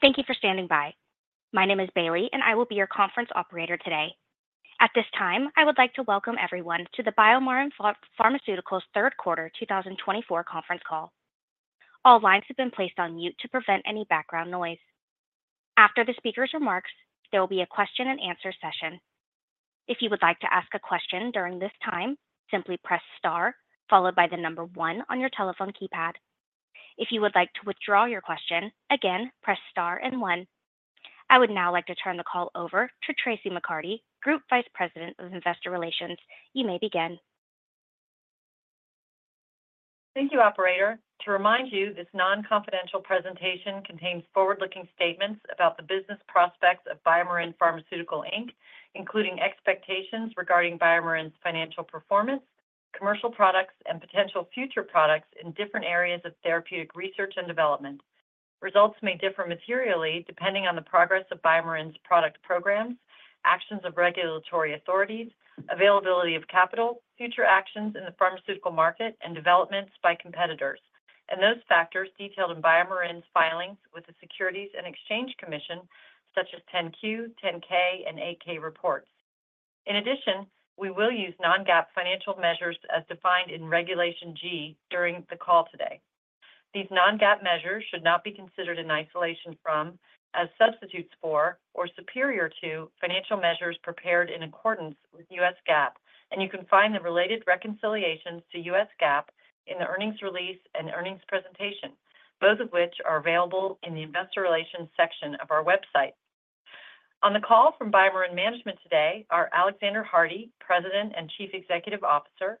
Thank you for standing by. My name is Bailey, and I will be your conference operator today. At this time, I would like to welcome everyone to the BioMarin Pharmaceutical's third quarter 2024 conference call. All lines have been placed on mute to prevent any background noise. After the speaker's remarks, there will be a question-and-answer session. If you would like to ask a question during this time, simply press star, followed by the number one on your telephone keypad. If you would like t2o withdraw your question, again, press star and one. I would now like to turn the call over to Traci McCarty, Group Vice President of Investor Relations. You may begin. Thank you, Operator. To remind you, this non-confidential presentation contains forward-looking statements about the business prospects of BioMarin Pharmaceutical Inc., including expectations regarding BioMarin's financial performance, commercial products, and potential future products in different areas of therapeutic research and development. Results may differ materially depending on the progress of BioMarin's product programs, actions of regulatory authorities, availability of capital, future actions in the pharmaceutical market, and developments by competitors, and those factors detailed in BioMarin's filings with the Securities and Exchange Commission, such as 10-Q, 10-K, and 8-K reports. In addition, we will use non-GAAP financial measures as defined in Regulation G during the call today. These non-GAAP measures should not be considered in isolation from, as substitutes for, or superior to financial measures prepared in accordance with U.S. GAAP, and you can find the related reconciliations to U.S. GAAP in the earnings release and earnings presentation, both of which are available in the Investor Relations section of our website. On the call from BioMarin Management today are Alexander Hardy, President and Chief Executive Officer,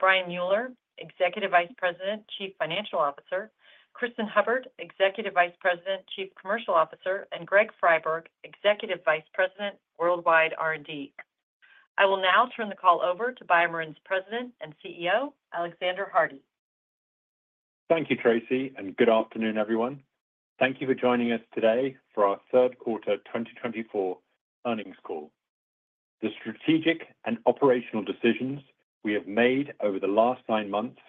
Brian Mueller, Executive Vice President and Chief Financial Officer, Cristin Hubbard, Executive Vice President and Chief Commercial Officer, and Greg Friberg, Executive Vice President, Worldwide R&D. I will now turn the call over to BioMarin's President and CEO, Alexander Hardy. Thank you, Traci, and good afternoon, everyone. Thank you for joining us today for our third quarter 2024 earnings call. The strategic and operational decisions we have made over the last nine months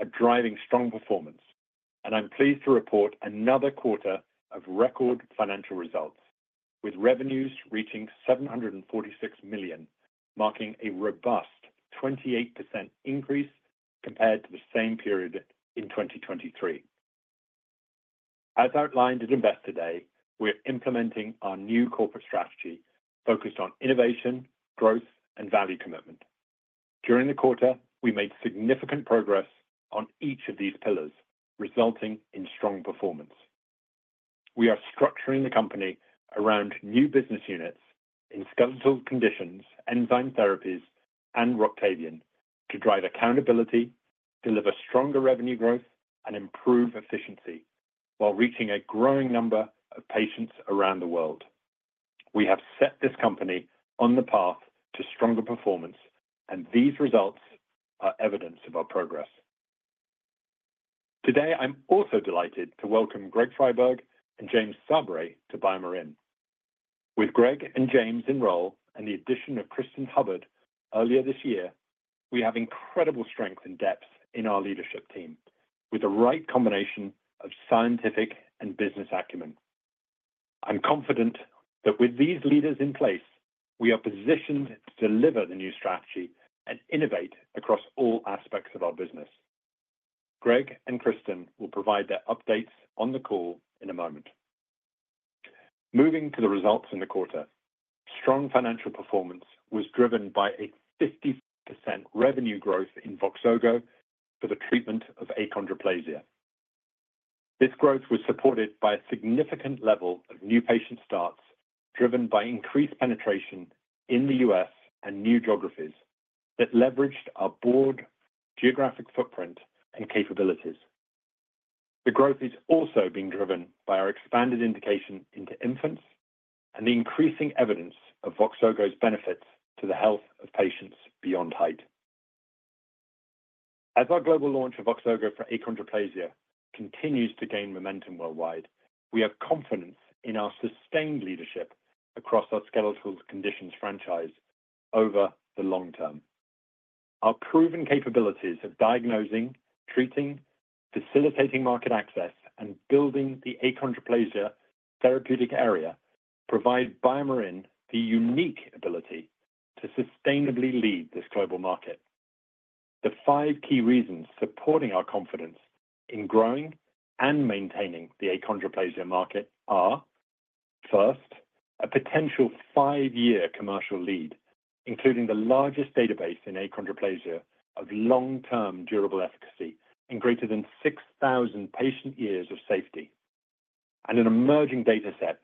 are driving strong performance, and I'm pleased to report another quarter of record financial results, with revenues reaching $746 million, marking a robust 28% increase compared to the same period in 2023. As outlined at Investor Day, we're implementing our new corporate strategy focused on innovation, growth, and value commitment. During the quarter, we made significant progress on each of these pillars, resulting in strong performance. We are structuring the company around new business units in skeletal conditions, enzyme therapies, and ROCTAVIAN to drive accountability, deliver stronger revenue growth, and improve efficiency while reaching a growing number of patients around the world. We have set this company on the path to stronger performance, and these results are evidence of our progress. Today, I'm also delighted to welcome Greg Friberg and James Sabry to BioMarin. With Greg and James enrolled and the addition of Cristin Hubbard earlier this year, we have incredible strength and depth in our leadership team, with the right combination of scientific and business acumen. I'm confident that with these leaders in place, we are positioned to deliver the new strategy and innovate across all aspects of our business. Greg and Cristin will provide their updates on the call in a moment. Moving to the results in the quarter, strong financial performance was driven by a 54% revenue growth in VOXOGO for the treatment of achondroplasia. This growth was supported by a significant level of new patient starts driven by increased penetration in the U.S. and new geographies that leveraged our broad geographic footprint and capabilities. The growth is also being driven by our expanded indication into infants and the increasing evidence of VOXOGO's benefits to the health of patients beyond height. As our global launch of VOXOGO for achondroplasia continues to gain momentum worldwide, we have confidence in our sustained leadership across our skeletal conditions franchise over the long term. Our proven capabilities of diagnosing, treating, facilitating market access, and building the achondroplasia therapeutic area provide BioMarin the unique ability to sustainably lead this global market. The five key reasons supporting our confidence in growing and maintaining the achondroplasia market are, first, a potential five-year commercial lead, including the largest database in achondroplasia of long-term durable efficacy and greater than 6,000 patient years of safety, and an emerging data set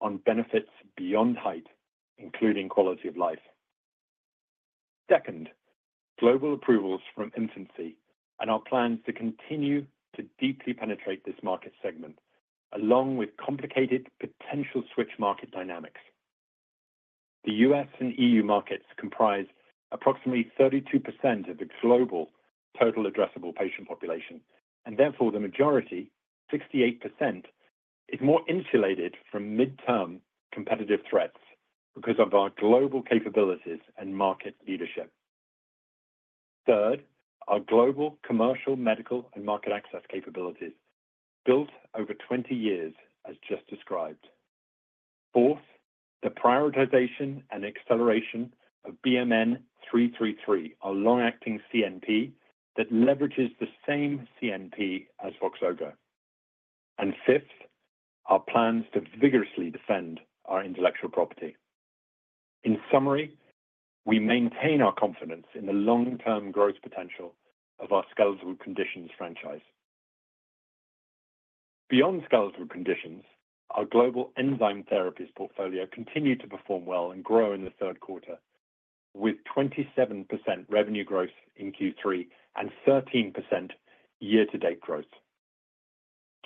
on benefits beyond height, including quality of life. Second, global approvals from infancy and our plans to continue to deeply penetrate this market segment, along with complicated potential switch market dynamics. The U.S. and E.U. markets comprise approximately 32% of the global total addressable patient population, and therefore the majority, 68%, is more insulated from midterm competitive threats because of our global capabilities and market leadership. Third, our global commercial, medical, and market access capabilities built over 20 years, as just described. Fourth, the prioritization and acceleration of BMN 333, our long-acting CNP that leverages the same CNP as VOXOGO. Fifth, our plans to vigorously defend our intellectual property. In summary, we maintain our confidence in the long-term growth potential of our skeletal conditions franchise. Beyond skeletal conditions, our global enzyme therapies portfolio continued to perform well and grow in the third quarter, with 27% revenue growth in Q3 and 13% year-to-date growth.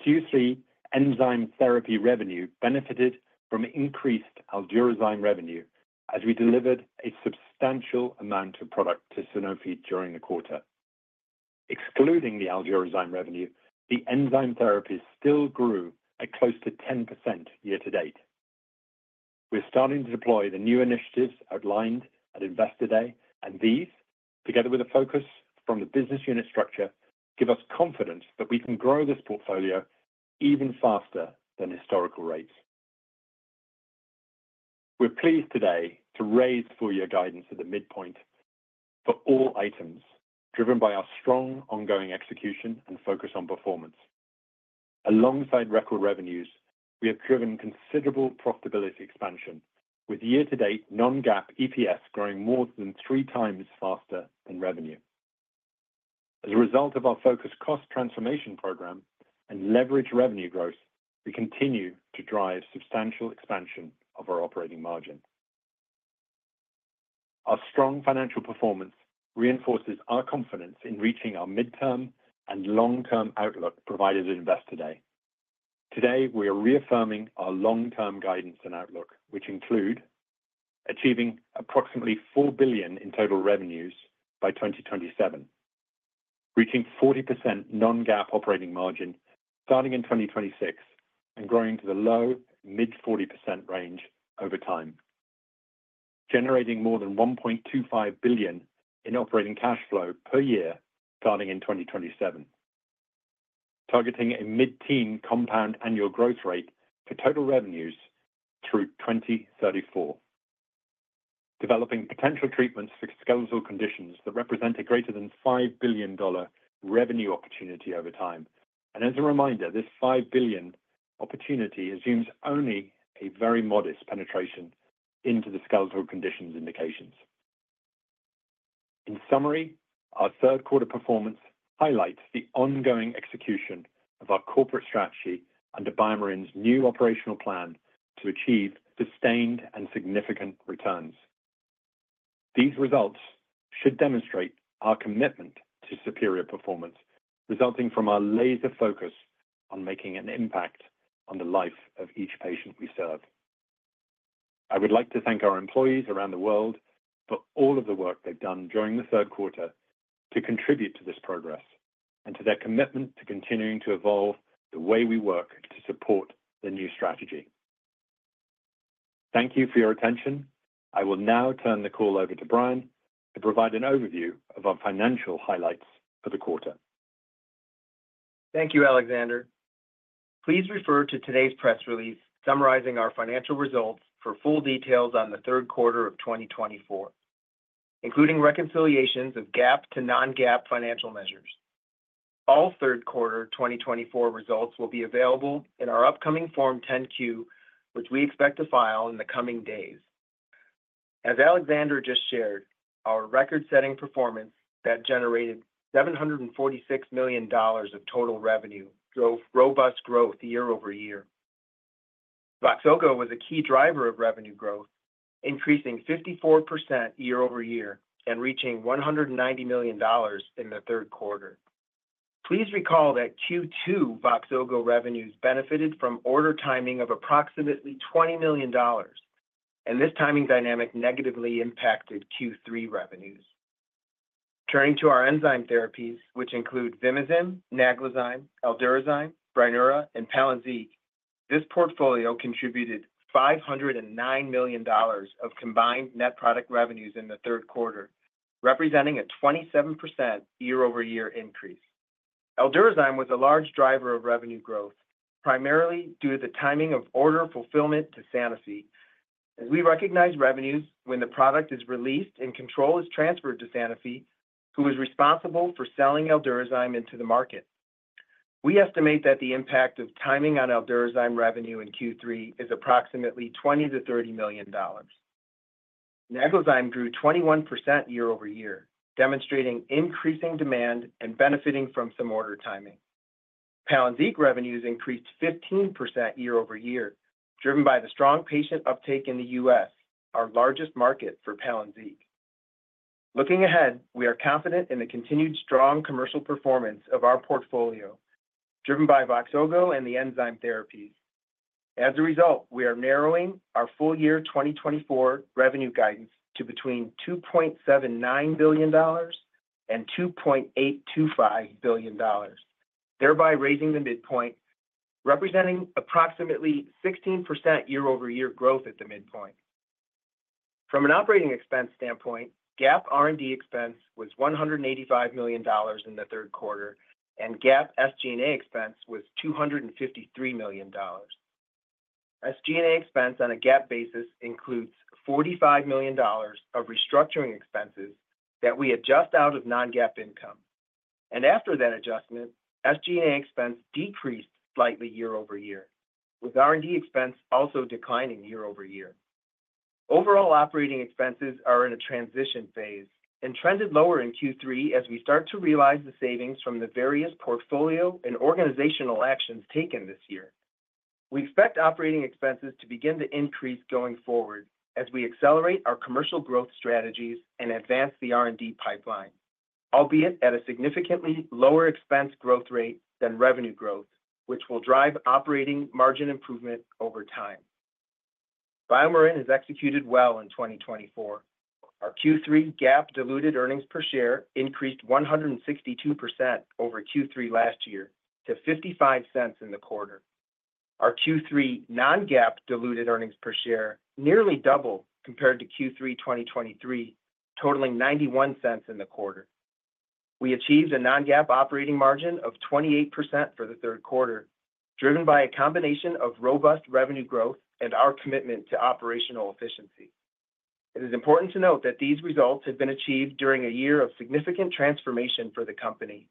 Q3 enzyme therapy revenue benefited from increased Aldurazyme revenue as we delivered a substantial amount of product to Sanofi during the quarter. Excluding the Aldurazyme revenue, the enzyme therapies still grew at close to 10% year-to-date. We're starting to deploy the new initiatives outlined at Investor Day, and these, together with a focus from the business unit structure, give us confidence that we can grow this portfolio even faster than historical rates. We're pleased today to raise full-year guidance at the midpoint for all items, driven by our strong ongoing execution and focus on performance. Alongside record revenues, we have driven considerable profitability expansion, with year-to-date non-GAAP EPS growing more than three times faster than revenue. As a result of our focused cost transformation program and leveraged revenue growth, we continue to drive substantial expansion of our operating margin. Our strong financial performance reinforces our confidence in reaching our midterm and long-term outlook provided at Investor Day. Today, we are reaffirming our long-term guidance and outlook, which include achieving approximately $4 billion in total revenues by 2027, reaching 40% non-GAAP operating margin starting in 2026 and growing to the low mid-40% range over time, generating more than $1.25 billion in operating cash flow per year starting in 2027, targeting a mid-teen compound annual growth rate for total revenues through 2034, developing potential treatments for skeletal conditions that represent a greater than $5 billion revenue opportunity over time. And as a reminder, this $5 billion opportunity assumes only a very modest penetration into the skeletal conditions indications. In summary, our third quarter performance highlights the ongoing execution of our corporate strategy under BioMarin's new operational plan to achieve sustained and significant returns. These results should demonstrate our commitment to superior performance, resulting from our laser focus on making an impact on the life of each patient we serve. I would like to thank our employees around the world for all of the work they've done during the third quarter to contribute to this progress and to their commitment to continuing to evolve the way we work to support the new strategy. Thank you for your attention. I will now turn the call over to Brian to provide an overview of our financial highlights for the quarter. Thank you, Alexander. Please refer to today's press release summarizing our financial results for full details on the third quarter of 2024, including reconciliations of GAAP to non-GAAP financial measures. All third quarter 2024 results will be available in our upcoming Form 10-Q, which we expect to file in the coming days. As Alexander just shared, our record-setting performance that generated $746 million of total revenue drove robust growth year over year. VOXOGO was a key driver of revenue growth, increasing 54% year over year and reaching $190 million in the third quarter. Please recall that Q2 VOXOGO revenues benefited from order timing of approximately $20 million, and this timing dynamic negatively impacted Q3 revenues. Turning to our enzyme therapies, which include Vimizim, Naglazyme, Aldurazyme, Brineura, and Palynziq, this portfolio contributed $509 million of combined net product revenues in the third quarter, representing a 27% year-over-year increase. Aldurazyme was a large driver of revenue growth, primarily due to the timing of order fulfillment to Sanofi, as we recognize revenues when the product is released and control is transferred to Sanofi, who is responsible for selling Aldurazyme into the market. We estimate that the impact of timing on Aldurazyme revenue in Q3 is approximately $20-$30 million. Naglazyme grew 21% year over year, demonstrating increasing demand and benefiting from some order timing. Palynziq revenues increased 15% year over year, driven by the strong patient uptake in the US, our largest market for Palynziq. Looking ahead, we are confident in the continued strong commercial performance of our portfolio, driven by VOXOGO and the enzyme therapies. As a result, we are narrowing our full-year 2024 revenue guidance to between $2.79 billion and $2.825 billion, thereby raising the midpoint, representing approximately 16% year-over-year growth at the midpoint. From an operating expense standpoint, GAAP R&D expense was $185 million in the third quarter, and GAAP SG&A expense was $253 million. SG&A expense on a GAAP basis includes $45 million of restructuring expenses that we adjust out of non-GAAP income. And after that adjustment, SG&A expense decreased slightly year over year, with R&D expense also declining year over year. Overall operating expenses are in a transition phase and trended lower in Q3 as we start to realize the savings from the various portfolio and organizational actions taken this year. We expect operating expenses to begin to increase going forward as we accelerate our commercial growth strategies and advance the R&D pipeline, albeit at a significantly lower expense growth rate than revenue growth, which will drive operating margin improvement over time. BioMarin has executed well in 2024. Our Q3 GAAP diluted earnings per share increased 162% over Q3 last year to $0.55 in the quarter. Our Q3 non-GAAP diluted earnings per share nearly doubled compared to Q3 2023, totaling $0.91 in the quarter. We achieved a non-GAAP operating margin of 28% for the third quarter, driven by a combination of robust revenue growth and our commitment to operational efficiency. It is important to note that these results have been achieved during a year of significant transformation for the company,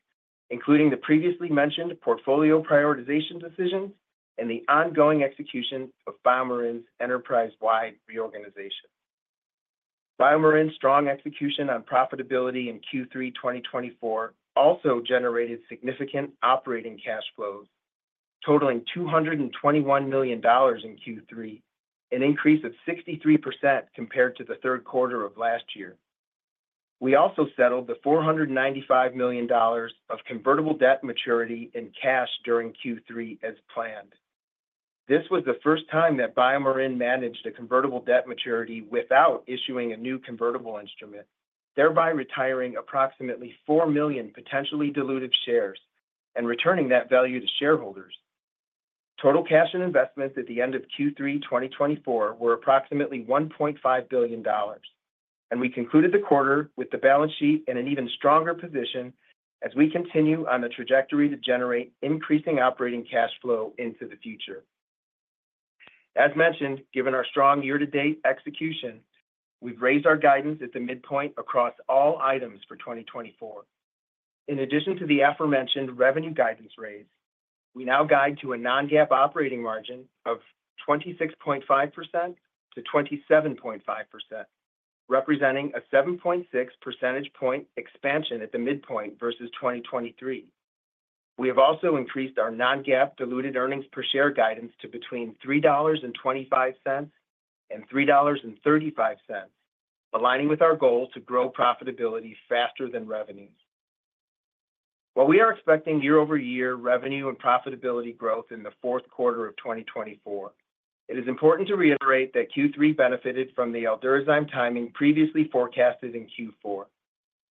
including the previously mentioned portfolio prioritization decisions and the ongoing execution of BioMarin's enterprise-wide reorganization. BioMarin's strong execution on profitability in Q3 2024 also generated significant operating cash flows, totaling $221 million in Q3, an increase of 63% compared to the third quarter of last year. We also settled the $495 million of convertible debt maturity in cash during Q3 as planned. This was the first time that BioMarin managed a convertible debt maturity without issuing a new convertible instrument, thereby retiring approximately four million potentially diluted shares and returning that value to shareholders. Total cash and investments at the end of Q3 2024 were approximately $1.5 billion, and we concluded the quarter with the balance sheet in an even stronger position as we continue on the trajectory to generate increasing operating cash flow into the future. As mentioned, given our strong year-to-date execution, we've raised our guidance at the midpoint across all items for 2024. In addition to the aforementioned revenue guidance raise, we now guide to a non-GAAP operating margin of 26.5% to 27.5%, representing a 7.6 percentage point expansion at the midpoint versus 2023. We have also increased our non-GAAP diluted earnings per share guidance to between $3.25 and $3.35, aligning with our goal to grow profitability faster than revenues. While we are expecting year-over-year revenue and profitability growth in the fourth quarter of 2024, it is important to reiterate that Q3 benefited from the Aldurazyme timing previously forecasted in Q4,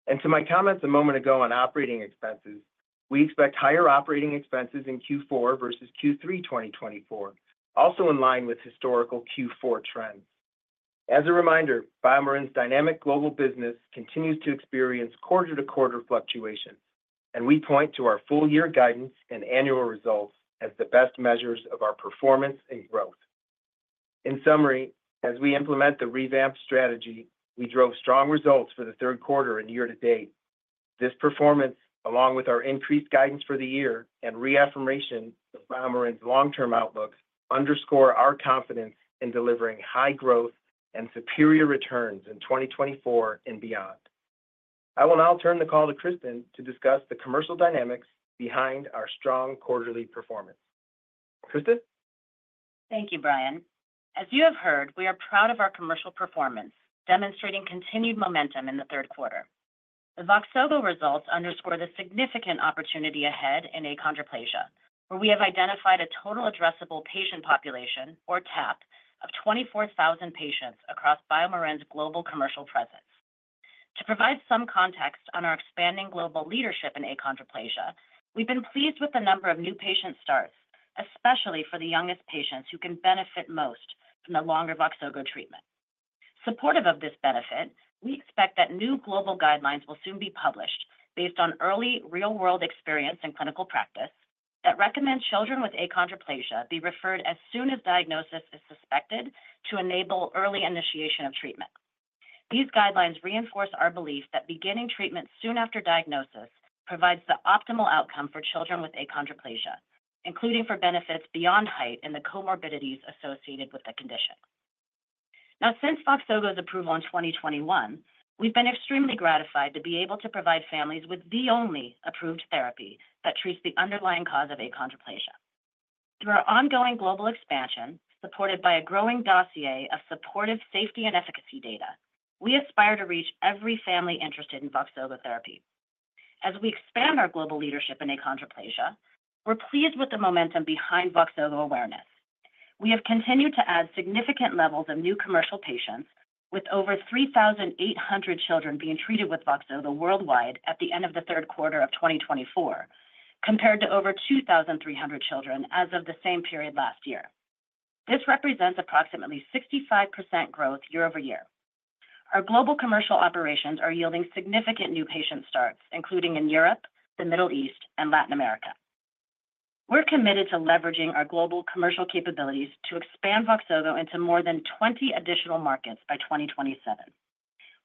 and to my comments a moment ago on operating expenses, we expect higher operating expenses in Q4 versus Q3 2024, also in line with historical Q4 trends. As a reminder, BioMarin's dynamic global business continues to experience quarter-to-quarter fluctuations, and we point to our full-year guidance and annual results as the best measures of our performance and growth. In summary, as we implement the revamped strategy, we drove strong results for the third quarter and year-to-date. This performance, along with our increased guidance for the year and reaffirmation of BioMarin's long-term outlook, underscore our confidence in delivering high growth and superior returns in 2024 and beyond. I will now turn the call to Cristin to discuss the commercial dynamics behind our strong quarterly performance. Cristin? Thank you, Brian. As you have heard, we are proud of our commercial performance, demonstrating continued momentum in the third quarter. The VOXOGO results underscore the significant opportunity ahead in achondroplasia, where we have identified a total addressable patient population, or TAP, of 24,000 patients across BioMarin's global commercial presence. To provide some context on our expanding global leadership in achondroplasia, we've been pleased with the number of new patient starts, especially for the youngest patients who can benefit most from the longer VOXOGO treatment. Supportive of this benefit, we expect that new global guidelines will soon be published based on early real-world experience and clinical practice that recommend children with achondroplasia be referred as soon as diagnosis is suspected to enable early initiation of treatment. These guidelines reinforce our belief that beginning treatment soon after diagnosis provides the optimal outcome for children with achondroplasia, including for benefits beyond height and the comorbidities associated with the condition. Now, since VOXOGO's approval in 2021, we've been extremely gratified to be able to provide families with the only approved therapy that treats the underlying cause of achondroplasia. Through our ongoing global expansion, supported by a growing dossier of supportive safety and efficacy data, we aspire to reach every family interested in VOXOGO therapy. As we expand our global leadership in achondroplasia, we're pleased with the momentum behind VOXOGO awareness. We have continued to add significant levels of new commercial patients, with over 3,800 children being treated with VOXOGO worldwide at the end of the third quarter of 2024, compared to over 2,300 children as of the same period last year. This represents approximately 65% growth year-over-year. Our global commercial operations are yielding significant new patient starts, including in Europe, the Middle East, and Latin America. We're committed to leveraging our global commercial capabilities to expand VOXOGO into more than 20 additional markets by 2027.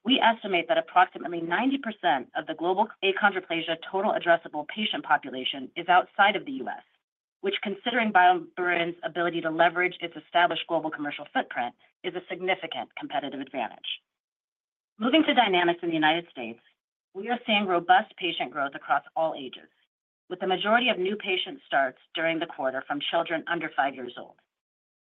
We estimate that approximately 90% of the global achondroplasia total addressable patient population is outside of the US, which, considering BioMarin's ability to leverage its established global commercial footprint, is a significant competitive advantage. Moving to dynamics in the United States, we are seeing robust patient growth across all ages, with the majority of new patient starts during the quarter from children under five years old.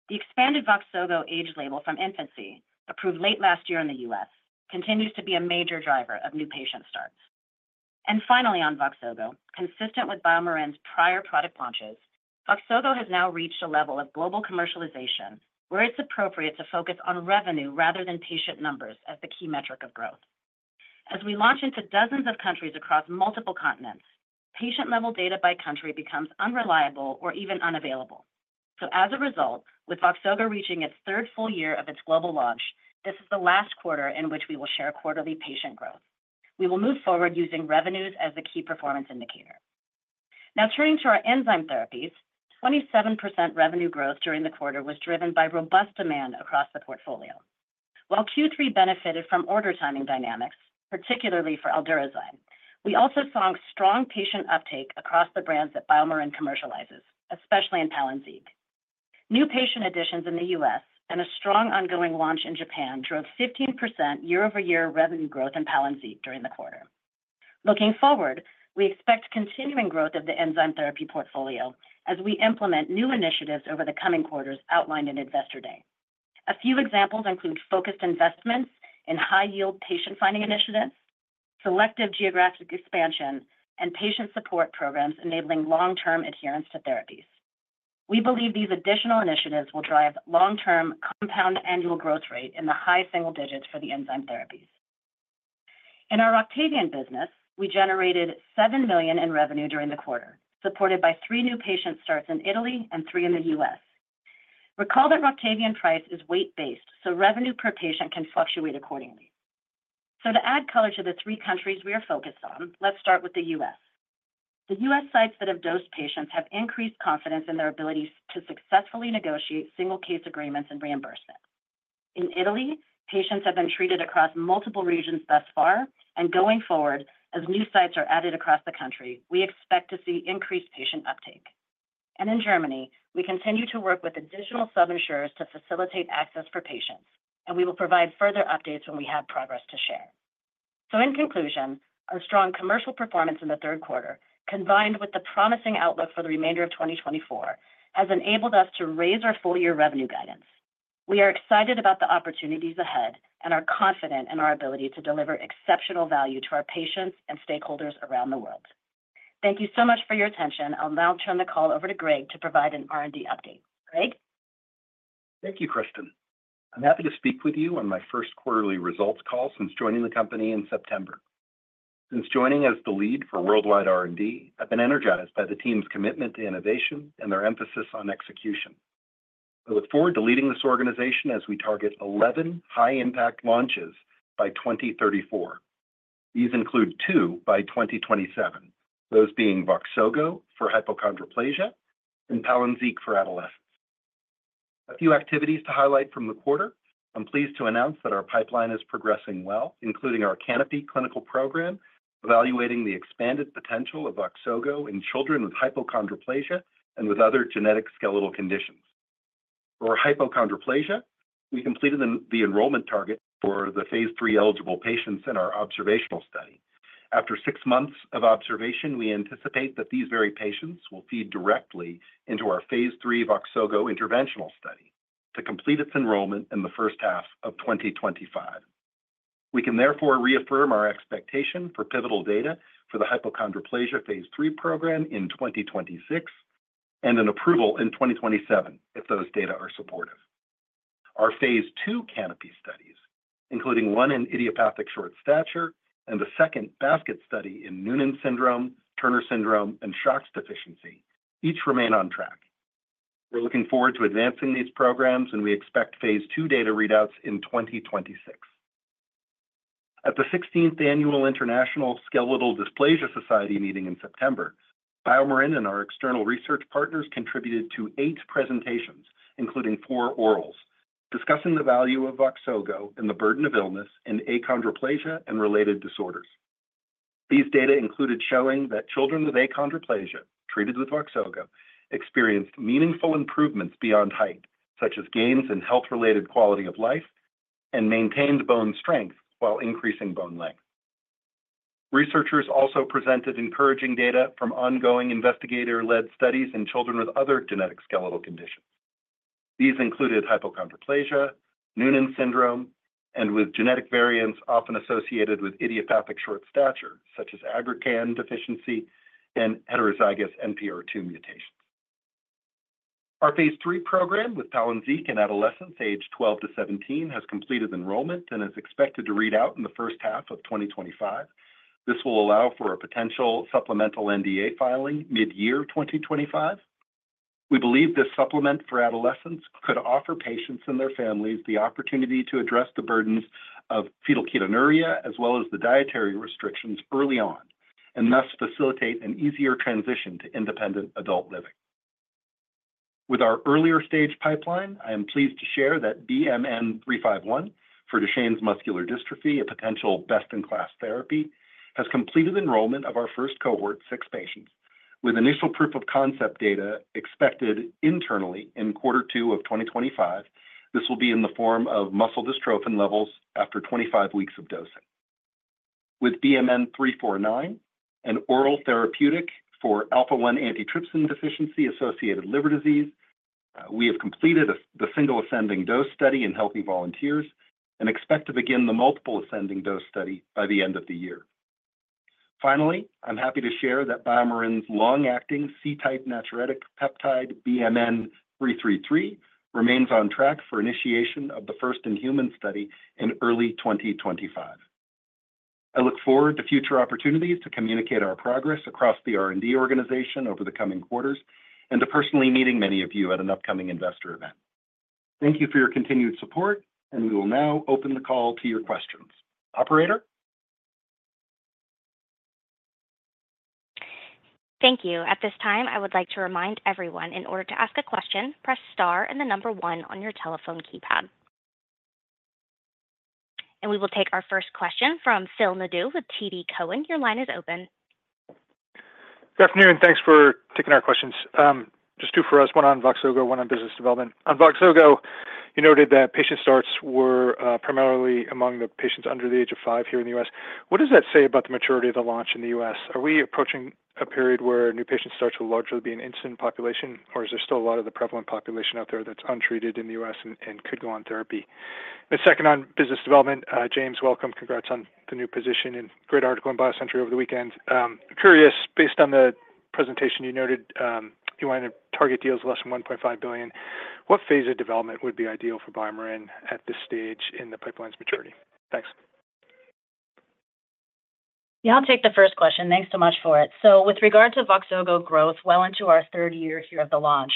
The expanded VOXOGO age label from infancy, approved late last year in the US, continues to be a major driver of new patient starts. Finally, on VOXOGO, consistent with BioMarin's prior product launches, VOXOGO has now reached a level of global commercialization where it's appropriate to focus on revenue rather than patient numbers as the key metric of growth. As we launch into dozens of countries across multiple continents, patient-level data by country becomes unreliable or even unavailable. So, as a result, with VOXOGO reaching its third full year of its global launch, this is the last quarter in which we will share quarterly patient growth. We will move forward using revenues as the key performance indicator. Now, turning to our enzyme therapies, 27% revenue growth during the quarter was driven by robust demand across the portfolio. While Q3 benefited from order timing dynamics, particularly for Aldurazyme, we also saw strong patient uptake across the brands that BioMarin commercializes, especially in Palynziq. New patient additions in the US and a strong ongoing launch in Japan drove 15% year-over-year revenue growth in Palynziq during the quarter. Looking forward, we expect continuing growth of the enzyme therapy portfolio as we implement new initiatives over the coming quarters outlined in Investor Day. A few examples include focused investments in high-yield patient-finding initiatives, selective geographic expansion, and patient support programs enabling long-term adherence to therapies. We believe these additional initiatives will drive long-term compound annual growth rate in the high single digits for the enzyme therapies. In our ROCTAVIAN business, we generated $7 million in revenue during the quarter, supported by three new patient starts in Italy and three in the US. Recall that ROCTAVIAN price is weight-based, so revenue per patient can fluctuate accordingly. So, to add color to the three countries we are focused on, let's start with the US. The U.S. sites that have dosed patients have increased confidence in their ability to successfully negotiate single-case agreements and reimbursement. In Italy, patients have been treated across multiple regions thus far, and going forward, as new sites are added across the country, we expect to see increased patient uptake. In Germany, we continue to work with additional subinsurers to facilitate access for patients, and we will provide further updates when we have progress to share. In conclusion, our strong commercial performance in the third quarter, combined with the promising outlook for the remainder of 2024, has enabled us to raise our full-year revenue guidance. We are excited about the opportunities ahead and are confident in our ability to deliver exceptional value to our patients and stakeholders around the world. Thank you so much for your attention. I'll now turn the call over to Greg to provide an R&D update. Greg? Thank you, Cristin. I'm happy to speak with you on my first quarterly results call since joining the company in September. Since joining as the lead for worldwide R&D, I've been energized by the team's commitment to innovation and their emphasis on execution. I look forward to leading this organization as we target 11 high-impact launches by 2034. These include two by 2027, those being VOXOGO for hypochondroplasia and Palynziq for adolescents. A few activities to highlight from the quarter. I'm pleased to announce that our pipeline is progressing well, including our Canopy clinical program evaluating the expanded potential of VOXOGO in children with hypochondroplasia and with other genetic skeletal conditions. For hypochondroplasia, we completed the enrollment target for the phase 3 eligible patients in our observational study. After six months of observation, we anticipate that these very patients will feed directly into our Phase 3 VOXOGO interventional study to complete its enrollment in the first half of 2025. We can therefore reaffirm our expectation for pivotal data for the hypochondroplasia Phase 3 program in 2026 and an approval in 2027 if those data are supportive. Our phase 2 canopy studies, including one in idiopathic short stature and the second basket study in Noonan syndrome, Turner syndrome, and SHOX deficiency, each remain on track. We're looking forward to advancing these programs, and we expect Phase 2 data readouts in 2026. At the 16th Annual International Skeletal Dysplasia Society meeting in September, BioMarin and our external research partners contributed to eight presentations, including four orals, discussing the value of VOXOGO and the burden of illness in achondroplasia and related disorders. These data included showing that children with achondroplasia treated with VOXOGO experienced meaningful improvements beyond height, such as gains in health-related quality of life and maintained bone strength while increasing bone length. Researchers also presented encouraging data from ongoing investigator-led studies in children with other genetic skeletal conditions. These included hypochondroplasia, Noonan syndrome, and with genetic variants often associated with idiopathic short stature, such as aggrecan deficiency and heterozygous NPR2 mutations. Our phase III program with Palynziq in adolescents aged 12 to 17 has completed enrollment and is expected to read out in the first half of 2025. This will allow for a potential supplemental NDA filing mid-year 2025. We believe this supplement for adolescents could offer patients and their families the opportunity to address the burdens of phenylketonuria as well as the dietary restrictions early on, and thus facilitate an easier transition to independent adult living. With our earlier stage pipeline, I am pleased to share that BMN 351 for Duchenne muscular dystrophy, a potential best-in-class therapy, has completed enrollment of our first cohort, six patients. With BMN 349, an oral therapeutic for alpha-1 antitrypsin deficiency-associated liver disease, we have completed the single ascending dose study in healthy volunteers and expect to begin the multiple ascending dose study by the end of the year. Finally, I'm happy to share that BioMarin's long-acting C-type natriuretic peptide BMN 333 remains on track for initiation of the first in-human study in early 2025. I look forward to future opportunities to communicate our progress across the R&D organization over the coming quarters and to personally meeting many of you at an upcoming investor event. Thank you for your continued support, and we will now open the call to your questions. Operator? Thank you. At this time, I would like to remind everyone, in order to ask a question, press star and the number one on your telephone keypad. And we will take our first question from Phil Nadeau with TD Cowen. Your line is open. Good afternoon. Thanks for taking our questions. Just two for us. One on VOXOGO, one on business development. On VOXOGO, you noted that patient starts were primarily among the patients under the age of five here in the US. What does that say about the maturity of the launch in the US? Are we approaching a period where new patient starts will largely be an incident population, or is there still a lot of the prevalent population out there that's untreated in the US and could go on therapy? And second on business development, James, welcome. Congrats on the new position and great article in BioCentury over the weekend. Curious, based on the presentation you noted, you wanted to target deals less than $1.5 billion. What phase of development would be ideal for BioMarin at this stage in the pipeline's maturity? Thanks. Yeah, I'll take the first question. Thanks so much for it. With regard to VOXOGO growth well into our third year here of the launch,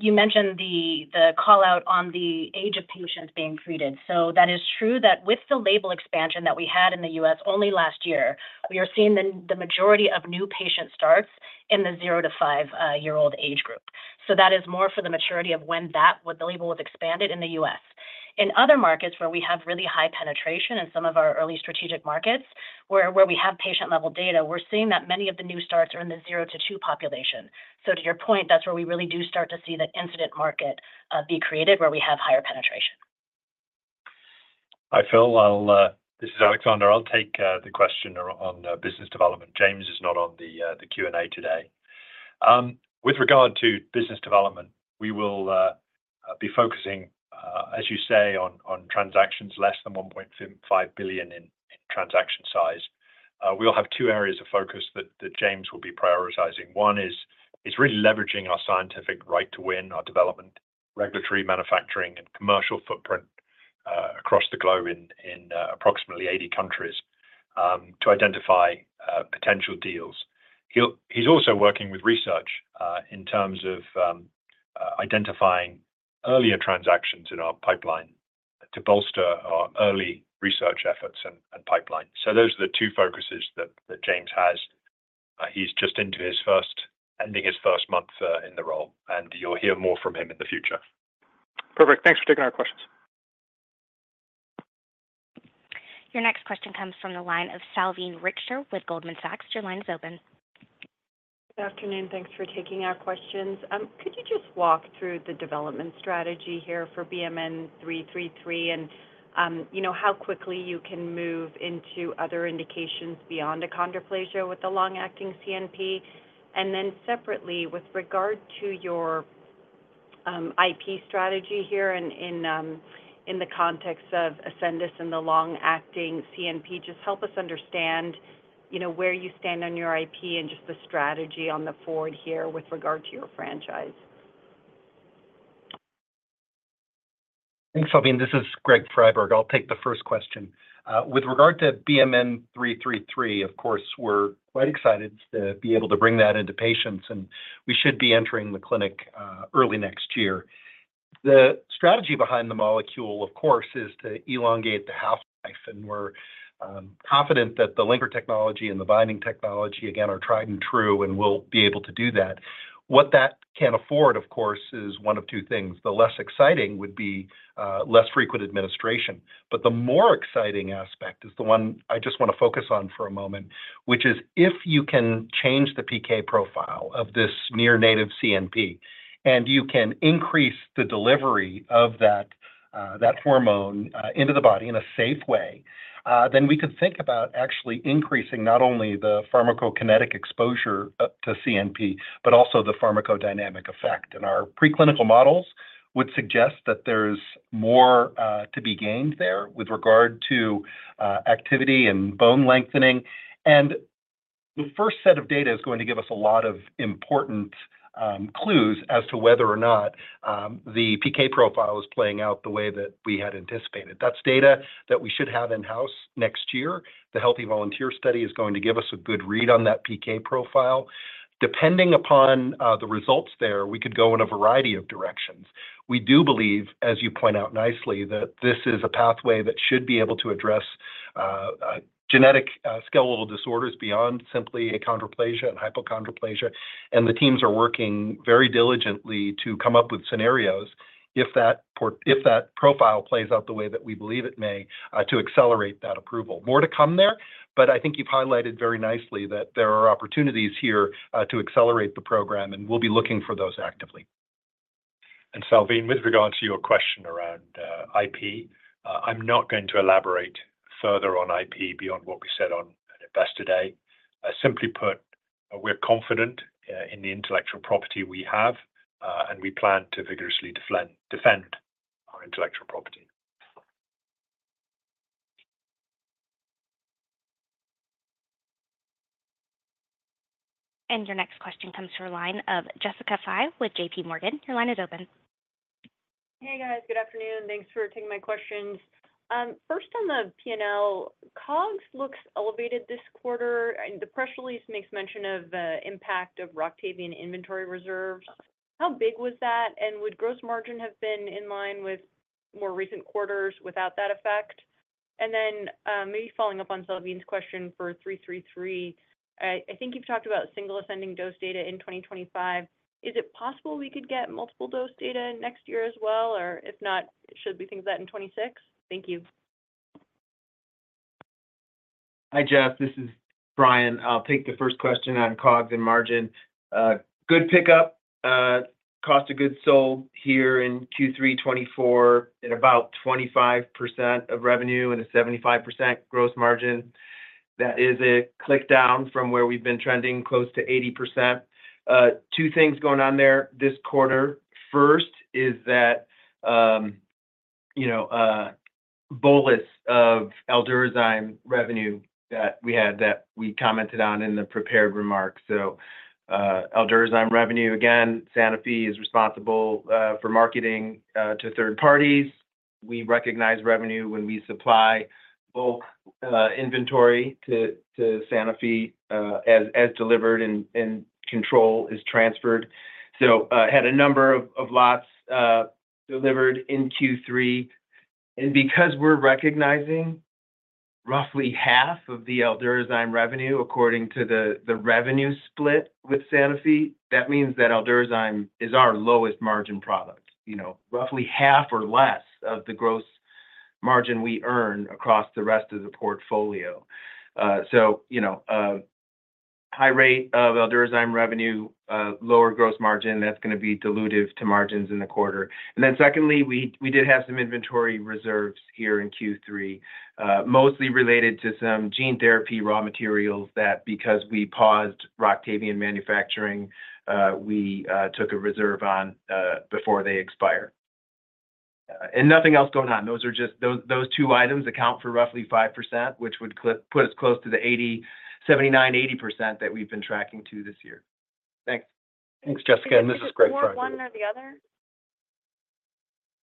you mentioned the callout on the age of patients being treated. That is true that with the label expansion that we had in the US only last year, we are seeing the majority of new patient starts in the zero- to five-year-old age group. That is more for the maturity of when that, what the label was expanded in the US. In other markets where we have really high penetration in some of our early strategic markets, where we have patient-level data, we're seeing that many of the new starts are in the zero- to two-year-old population. To your point, that's where we really do start to see that incipient market be created where we have higher penetration. Hi, Phil. This is Alexander. I'll take the question on business development. James is not on the Q&A today. With regard to business development, we will be focusing, as you say, on transactions less than $1.5 billion in transaction size. We'll have two areas of focus that James will be prioritizing. One is really leveraging our scientific right to win, our development, regulatory, manufacturing, and commercial footprint across the globe in approximately 80 countries to identify potential deals. He's also working with research in terms of identifying earlier transactions in our pipeline to bolster our early research efforts and pipeline. So, those are the two focuses that James has. He's just ending his first month in the role, and you'll hear more from him in the future. Perfect. Thanks for taking our questions. Your next question comes from the line of Salveen Richter with Goldman Sachs. Your line is open. Good afternoon. Thanks for taking our questions. Could you just walk through the development strategy here for BMN 333 and how quickly you can move into other indications beyond achondroplasia with the long-acting CNP? And then separately, with regard to your IP strategy here in the context of Ascendis and the long-acting CNP, just help us understand where you stand on your IP and just the strategy going forward here with regard to your franchise. Thanks, Salveen. This is Greg Friberg. I'll take the first question. With regard to BMN 333, of course, we're quite excited to be able to bring that into patients, and we should be entering the clinic early next year. The strategy behind the molecule, of course, is to elongate the half-life, and we're confident that the linker technology and the binding technology, again, are tried and true and will be able to do that. What that can afford, of course, is one of two things. The less exciting would be less frequent administration, but the more exciting aspect is the one I just want to focus on for a moment, which is if you can change the PK profile of this near-native CNP and you can increase the delivery of that hormone into the body in a safe way, then we could think about actually increasing not only the pharmacokinetic exposure to CNP, but also the pharmacodynamic effect. And our preclinical models would suggest that there's more to be gained there with regard to activity and bone lengthening. And the first set of data is going to give us a lot of important clues as to whether or not the PK profile is playing out the way that we had anticipated. That's data that we should have in-house next year. The healthy volunteer study is going to give us a good read on that PK profile. Depending upon the results there, we could go in a variety of directions. We do believe, as you point out nicely, that this is a pathway that should be able to address genetic skeletal disorders beyond simply achondroplasia and hypochondroplasia. And the teams are working very diligently to come up with scenarios if that profile plays out the way that we believe it may to accelerate that approval. More to come there, but I think you've highlighted very nicely that there are opportunities here to accelerate the program, and we'll be looking for those actively. And Salveen, with regard to your question around IP, I'm not going to elaborate further on IP beyond what we said on Investor Day. Simply put, we're confident in the intellectual property we have, and we plan to vigorously defend our intellectual property. And your next question comes through a line of Jessica Fye with J.P. Morgan. Your line is open. Hey, guys. Good afternoon. Thanks for taking my questions. First, on the P&L, COGS looks elevated this quarter. The press release makes mention of the impact of ROCTAVIAN inventory reserves. How big was that? And would gross margin have been in line with more recent quarters without that effect? And then maybe following up on Salveen's question for 333, I think you've talked about single ascending dose data in 2025. Is it possible we could get multiple dose data next year as well? Or if not, should we think of that in 2026? Thank you. Hi, Jeff. This is Brian. I'll take the first question on COGS and margin. Good pickup. Cost of goods sold here in Q3 2024 at about 25% of revenue and a 75% gross margin. That is a tick down from where we've been trending close to 80%. Two things going on there this quarter. First is that bolus of Aldurazyme revenue that we had that we commented on in the prepared remarks. So Aldurazyme revenue, again, Sanofi is responsible for marketing to third parties. We recognize revenue when we supply bulk inventory to Sanofi as delivered and control is transferred. So had a number of lots delivered in Q3. And because we're recognizing roughly half of the Aldurazyme revenue according to the revenue split with Sanofi, that means that Aldurazyme is our lowest margin product. Roughly half or less of the gross margin we earn across the rest of the portfolio. So high rate of Aldurazyme revenue, lower gross margin, that's going to be dilutive to margins in the quarter. And then secondly, we did have some inventory reserves here in Q3, mostly related to some gene therapy raw materials that, because we paused Roctavian manufacturing, we took a reserve on before they expire. And nothing else going on. Those two items account for roughly 5%, which would put us close to the 79%-80% that we've been tracking to this year. Thanks. Thanks, Jessica. And this is Greg Friberg. Was it one or the other?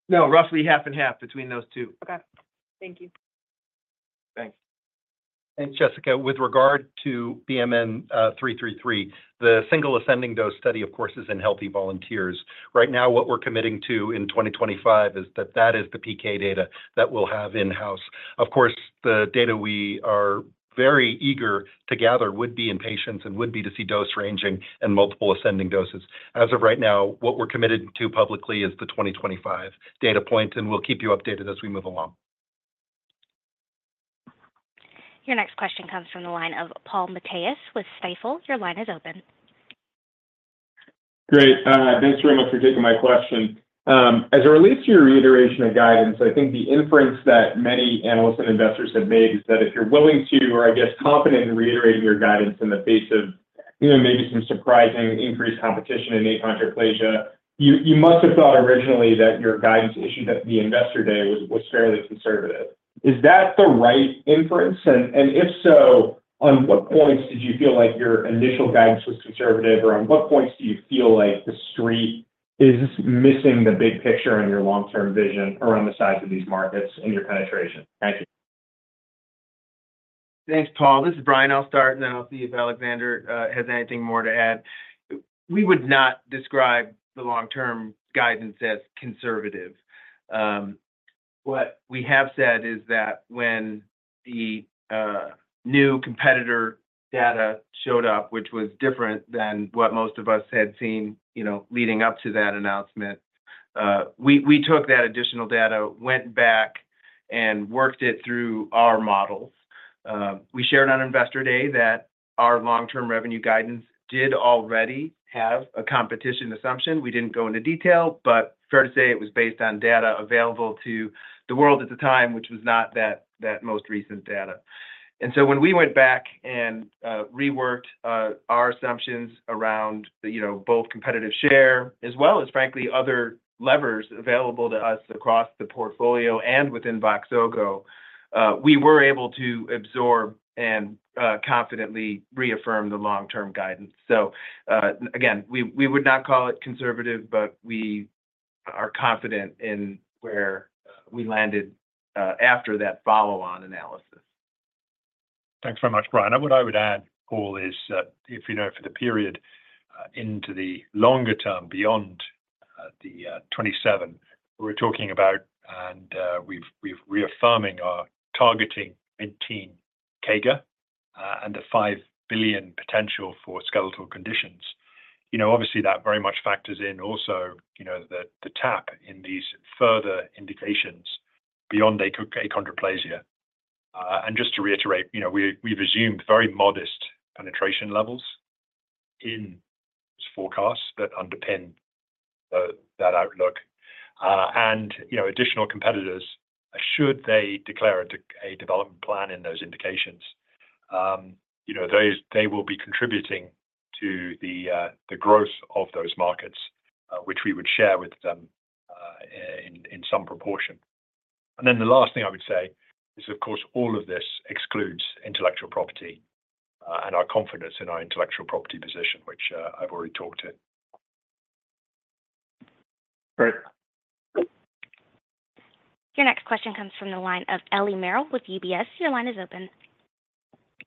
No, roughly half and half between those two. Okay. Thank you. Thanks. Jessica, with regard to BMN 333, the single ascending dose study, of course, is in healthy volunteers. Right now, what we're committing to in 2025 is that that is the PK data that we'll have in-house. Of course, the data we are very eager to gather would be in patients and would be to see dose ranging and multiple ascending doses. As of right now, what we're committed to publicly is the 2025 data point, and we'll keep you updated as we move along. Your next question comes from the line of Paul Matteis with Stifel. Your line is open. Great. Thanks very much for taking my question. As it relates to your reiteration of guidance, I think the inference that many analysts and investors have made is that if you're willing to, or I guess confident in reiterating your guidance in the face of maybe some surprising increased competition in achondroplasia, you must have thought originally that your guidance issued at the investor day was fairly conservative. Is that the right inference? And if so, on what points did you feel like your initial guidance was conservative, or on what points do you feel like the street is missing the big picture on your long-term vision around the size of these markets and your penetration? Thank you. Thanks, Paul. This is Brian. I'll start, and then I'll see if Alexander has anything more to add. We would not describe the long-term guidance as conservative. What we have said is that when the new competitor data showed up, which was different than what most of us had seen leading up to that announcement, we took that additional data, went back, and worked it through our models. We shared on investor day that our long-term revenue guidance did already have a competition assumption. We didn't go into detail, but fair to say it was based on data available to the world at the time, which was not that most recent data. And so when we went back and reworked our assumptions around both competitive share as well as, frankly, other levers available to us across the portfolio and within VOXOGO, we were able to absorb and confidently reaffirm the long-term guidance. So again, we would not call it conservative, but we are confident in where we landed after that follow-on analysis. Thanks very much, Brian. What I would add, Paul, is that if you know for the period into the longer term beyond the 2027, we're talking about and we're reaffirming our targeting a teen CAGR and the $5 billion potential for skeletal conditions. Obviously, that very much factors in also the tap in these further indications beyond achondroplasia. And just to reiterate, we've assumed very modest penetration levels in forecasts that underpin that outlook. And additional competitors, should they declare a development plan in those indications, they will be contributing to the growth of those markets, which we would share with them in some proportion. And then the last thing I would say is, of course, all of this excludes intellectual property and our confidence in our intellectual property position, which I've already talked to. Great. Your next question comes from the line of Ellie Merrill with UBS. Your line is open.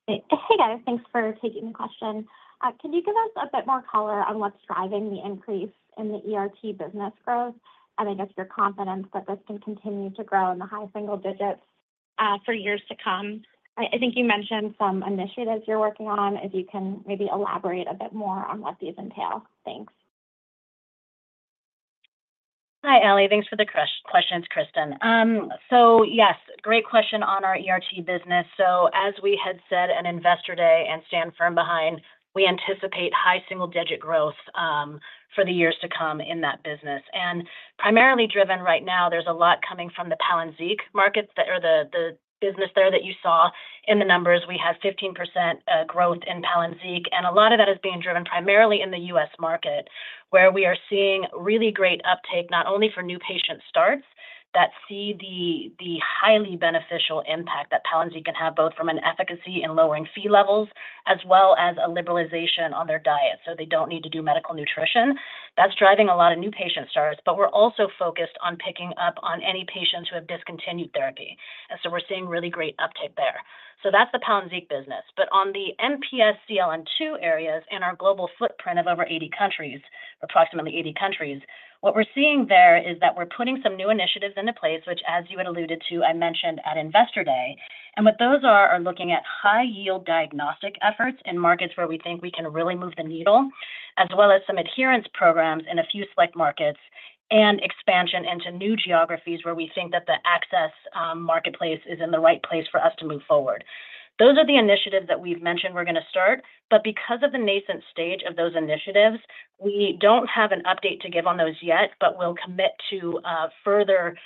Hey, guys. Thanks for taking the question. Can you give us a bit more color on what's driving the increase in the ERT business growth? And I guess your confidence that this can continue to grow in the high single digits for years to come. I think you mentioned some initiatives you're working on. If you can maybe elaborate a bit more on what these entail. Thanks. Hi, Ellie. Thanks for the questions, Kristin. So yes, great question on our ERT business. So as we had said on investor day and stand firm behind, we anticipate high single-digit growth for the years to come in that business. And primarily driven right now, there's a lot coming from the Palynziq markets or the business there that you saw in the numbers. We have 15% growth in Palynziq, and a lot of that is being driven primarily in the US market, where we are seeing really great uptake not only for new patient starts that see the highly beneficial impact that Palynziq can have both from an efficacy in lowering Phe levels as well as a liberalization on their diet. So they don't need to do medical nutrition. That's driving a lot of new patient starts, but we're also focused on picking up on any patients who have discontinued therapy. And so we're seeing really great uptake there. So that's the Palynziq business. But on the MPS, CLN2 areas and our global footprint of over 80 countries, approximately 80 countries, what we're seeing there is that we're putting some new initiatives into place, which, as you had alluded to, I mentioned at investor day. And what those are are looking at high-yield diagnostic efforts in markets where we think we can really move the needle, as well as some adherence programs in a few select markets and expansion into new geographies where we think that the access marketplace is in the right place for us to move forward. Those are the initiatives that we've mentioned we're going to start, but because of the nascent stage of those initiatives, we don't have an update to give on those yet, but we'll commit to further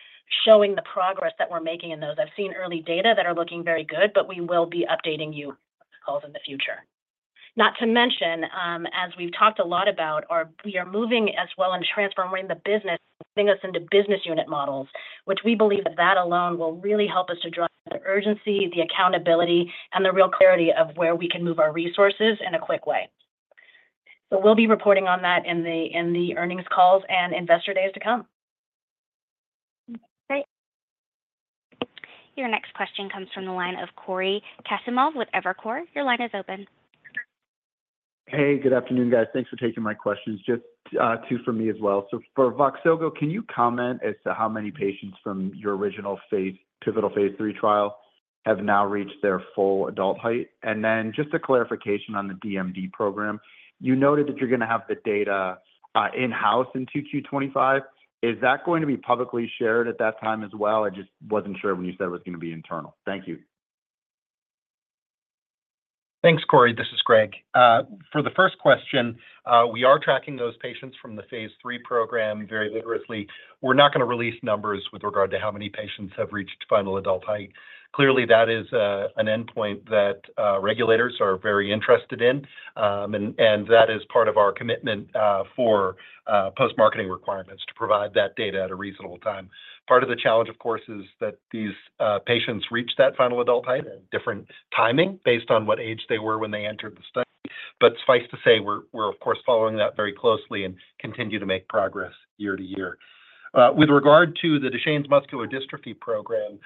showing the progress that we're making in those. I've seen early data that are looking very good, but we will be updating you on calls in the future. Not to mention, as we've talked a lot about, we are moving as well and transforming the business, getting us into business unit models, which we believe that alone will really help us to drive the urgency, the accountability, and the real clarity of where we can move our resources in a quick way, so we'll be reporting on that in the earnings calls and investor days to come. Great. Your next question comes from the line of Cory Kasimov with Evercore ISI. Your line is open. Hey, good afternoon, guys. Thanks for taking my questions. Just two from me as well. So for VOXOGO, can you comment as to how many patients from your original pivotal phase three trial have now reached their full adult height? And then just a clarification on the DMD program. You noted that you're going to have the data in-house in Q2 2025. Is that going to be publicly shared at that time as well? I just wasn't sure when you said it was going to be internal. Thank you. Thanks, Cory. This is Greg. For the first question, we are tracking those patients from the phase three program very vigorously. We're not going to release numbers with regard to how many patients have reached final adult height. Clearly, that is an endpoint that regulators are very interested in, and that is part of our commitment for post-marketing requirements to provide that data at a reasonable time. Part of the challenge, of course, is that these patients reach that final adult height at different timing based on what age they were when they entered the study. But suffice to say, we're, of course, following that very closely and continue to make progress year to year. With regard to the Duchenne muscular dystrophy program,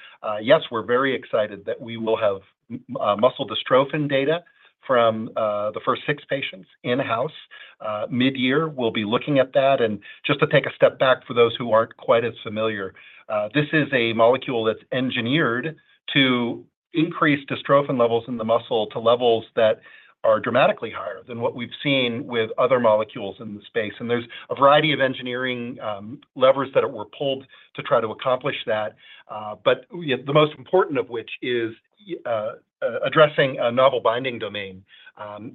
yes, we're very excited that we will have muscle dystrophin data from the first six patients in-house. Mid-year, we'll be looking at that. Just to take a step back for those who aren't quite as familiar, this is a molecule that's engineered to increase dystrophin levels in the muscle to levels that are dramatically higher than what we've seen with other molecules in the space. There's a variety of engineering levers that were pulled to try to accomplish that, but the most important of which is addressing a novel binding domain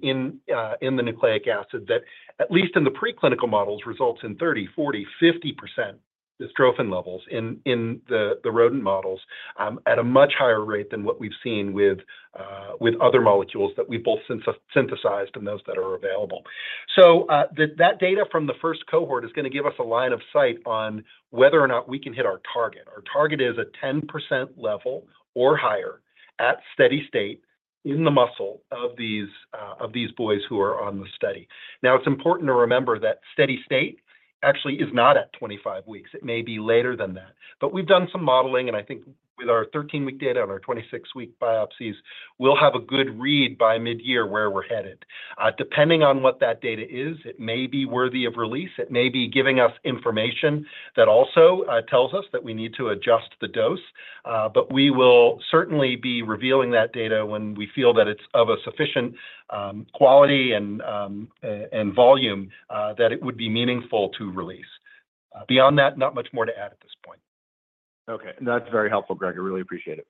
in the nucleic acid that, at least in the preclinical models, results in 30%-50% dystrophin levels in the rodent models at a much higher rate than what we've seen with other molecules that we've both synthesized and those that are available. So that data from the first cohort is going to give us a line of sight on whether or not we can hit our target. Our target is a 10% level or higher at steady state in the muscle of these boys who are on the study. Now, it's important to remember that steady state actually is not at 25 weeks. It may be later than that. But we've done some modeling, and I think with our 13-week data and our 26-week biopsies, we'll have a good read by mid-year where we're headed. Depending on what that data is, it may be worthy of release. It may be giving us information that also tells us that we need to adjust the dose. But we will certainly be revealing that data when we feel that it's of a sufficient quality and volume that it would be meaningful to release. Beyond that, not much more to add at this point. Okay. That's very helpful, Greg. I really appreciate it.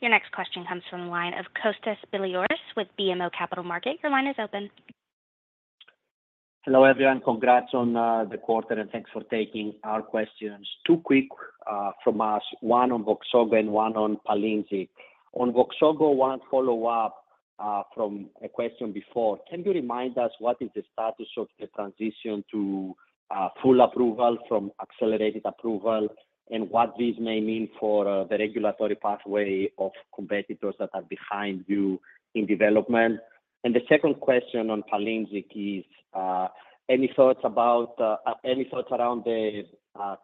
Your next question comes from the line of Kostas Biliouris with BMO Capital Markets. Your line is open. Hello, everyone. Congrats on the quarter, and thanks for taking our questions. Two quick from us, one on VOXOGO and one on Palynziq. On VOXOGO, one follow-up from a question before. Can you remind us what is the status of the transition to full approval from accelerated approval, and what this may mean for the regulatory pathway of competitors that are behind you in development? And the second question on Palynziq is any thoughts around the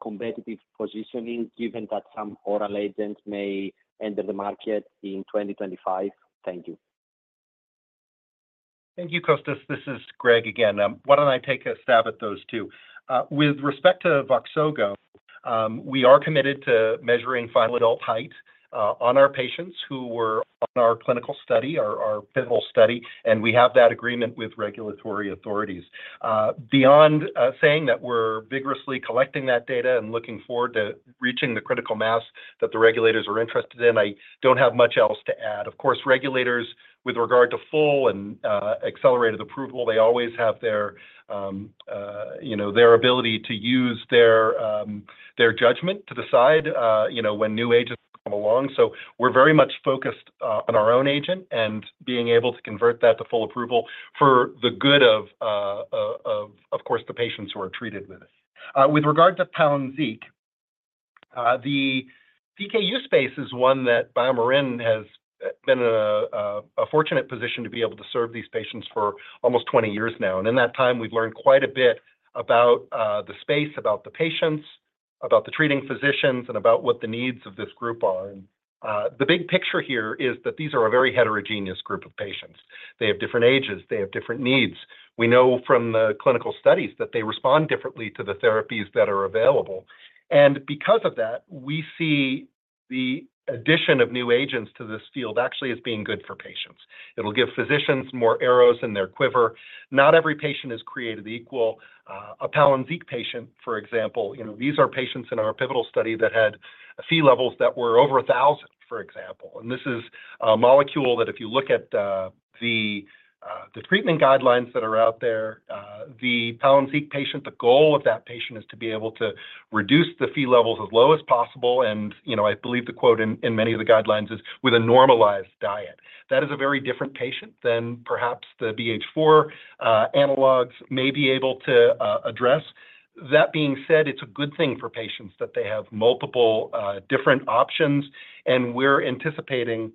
competitive positioning, given that some oral agents may enter the market in 2025? Thank you. Thank you, Kostas. This is Greg again. Why don't I take a stab at those two? With respect to VOXOGO, we are committed to measuring final adult height on our patients who were on our clinical study, our pivotal study, and we have that agreement with regulatory authorities. Beyond saying that we're vigorously collecting that data and looking forward to reaching the critical mass that the regulators are interested in, I don't have much else to add. Of course, regulators with regard to full and accelerated approval, they always have their ability to use their judgment to decide when new agents come along. So we're very much focused on our own agent and being able to convert that to full approval for the good of, of course, the patients who are treated with it. With regard to Palynziq, the PKU space is one that BioMarin has been in a fortunate position to be able to serve these patients for almost 20 years now, and in that time, we've learned quite a bit about the space, about the patients, about the treating physicians, and about what the needs of this group are. The big picture here is that these are a very heterogeneous group of patients. They have different ages. They have different needs. We know from the clinical studies that they respond differently to the therapies that are available, and because of that, we see the addition of new agents to this field actually as being good for patients. It'll give physicians more arrows in their quiver. Not every patient is created equal. A Palynziq patient, for example, these are patients in our pivotal study that had Phe levels that were over 1,000, for example, and this is a molecule that if you look at the treatment guidelines that are out there, the Palynziq patient, the goal of that patient is to be able to reduce the Phe levels as low as possible, and I believe the quote in many of the guidelines is, "With a normalized diet." That is a very different patient than perhaps the BH4 analogs may be able to address. That being said, it's a good thing for patients that they have multiple different options, and we're anticipating that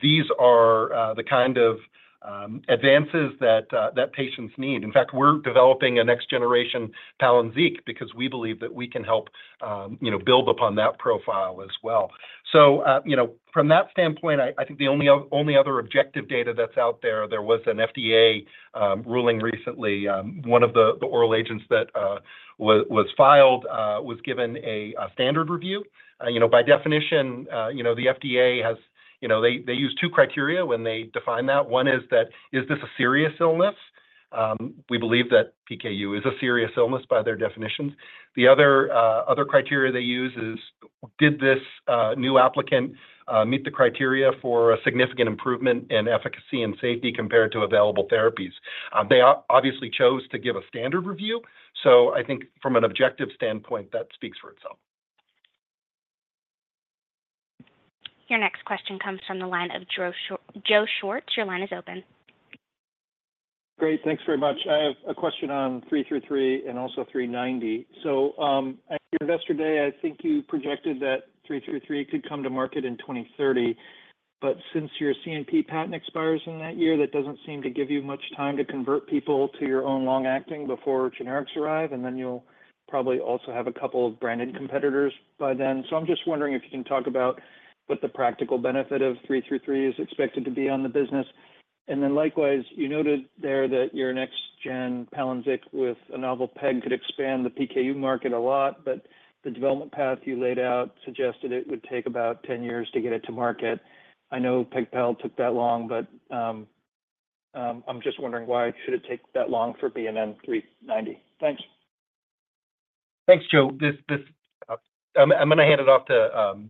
these are the kind of advances that patients need. In fact, we're developing a next-generation Palynziq because we believe that we can help build upon that profile as well. So from that standpoint, I think the only other objective data that's out there. There was an FDA ruling recently. One of the oral agents that was filed was given a standard review. By definition, the FDA has they use two criteria when they define that. One is that, is this a serious illness? We believe that PKU is a serious illness by their definitions. The other criteria they use is, did this new applicant meet the criteria for a significant improvement in efficacy and safety compared to available therapies? They obviously chose to give a standard review. So I think from an objective standpoint, that speaks for itself. Your next question comes from the line of Joe Schwartz. Your line is open. Great. Thanks very much. I have a question on 333 and also 390. So at your investor day, I think you projected that 333 could come to market in 2030. But since your CNP patent expires in that year, that doesn't seem to give you much time to convert people to your own long-acting before generics arrive, and then you'll probably also have a couple of branded competitors by then. So I'm just wondering if you can talk about what the practical benefit of 333 is expected to be on the business. And then likewise, you noted there that your next-gen Palynziq with a novel PEG could expand the PKU market a lot, but the development path you laid out suggested it would take about 10 years to get it to market. I know Palynziq took that long, but I'm just wondering why should it take that long for BMN 390? Thanks. Thanks, Joe. I'm going to hand it off to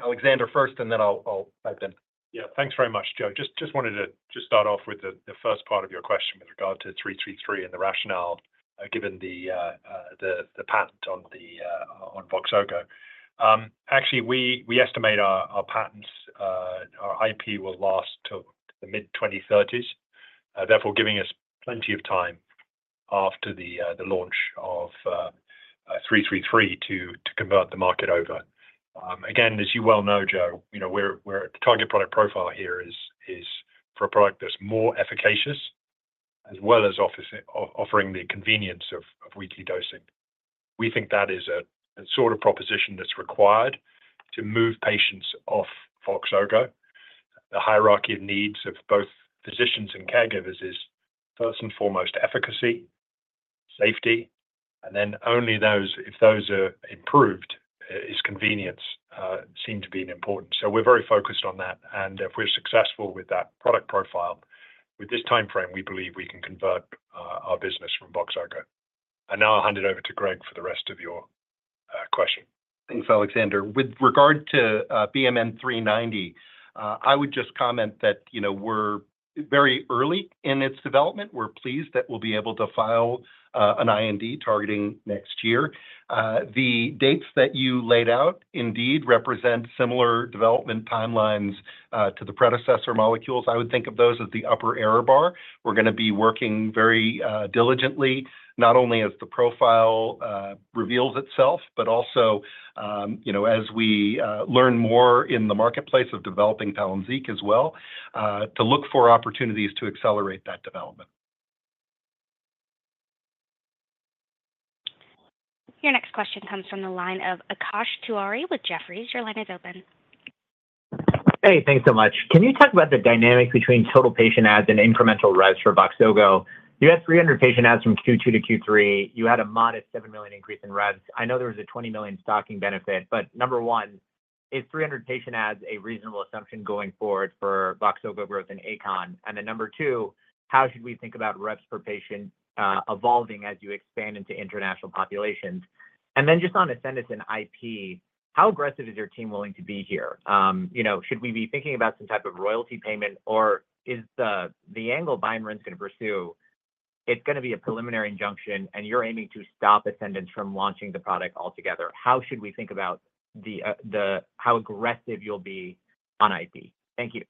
Alexander first, and then I'll pipe in. Yeah. Thanks very much, Joe. Just wanted to just start off with the first part of your question with regard to 333 and the rationale given the patent on VOXOGO. Actually, we estimate our patents, our IP will last till the mid-2030s, therefore giving us plenty of time after the launch of 333 to convert the market over. Again, as you well know, Joe, we're at the target product profile here is for a product that's more efficacious as well as offering the convenience of weekly dosing. We think that is a sort of proposition that's required to move patients off VOXOGO. The hierarchy of needs of both physicians and caregivers is first and foremost efficacy, safety, and then only those, if those are improved, is convenience seem to be important. So we're very focused on that. And if we're successful with that product profile, with this timeframe, we believe we can convert our business from VOXOGO. And now I'll hand it over to Greg for the rest of your question. Thanks, Alexander. With regard to BMN 390, I would just comment that we're very early in its development. We're pleased that we'll be able to file an IND targeting next year. The dates that you laid out indeed represent similar development timelines to the predecessor molecules. I would think of those as the upper error bar. We're going to be working very diligently, not only as the profile reveals itself, but also as we learn more in the marketplace of developing Palynziq as well, to look for opportunities to accelerate that development. Your next question comes from the line of Akash Tewari with Jefferies. Your line is open. Hey, thanks so much. Can you talk about the dynamic between total patient adds and incremental revs for VOXOGO? You had 300 patient adds from Q2 to Q3. You had a modest $7 million increase in revs. I know there was a $20 million stocking benefit, but number one, is 300 patient adds a reasonable assumption going forward for VOXOGO growth in achondroplasia? And then number two, how should we think about revs per patient evolving as you expand into international populations? And then just on a sentence in IP, how aggressive is your team willing to be here? Should we be thinking about some type of royalty payment, or is the angle BioMarin's going to pursue? It's going to be a preliminary injunction, and you're aiming to stop Ascendis from launching the product altogether. How should we think about how aggressive you'll be on IP? Thank you.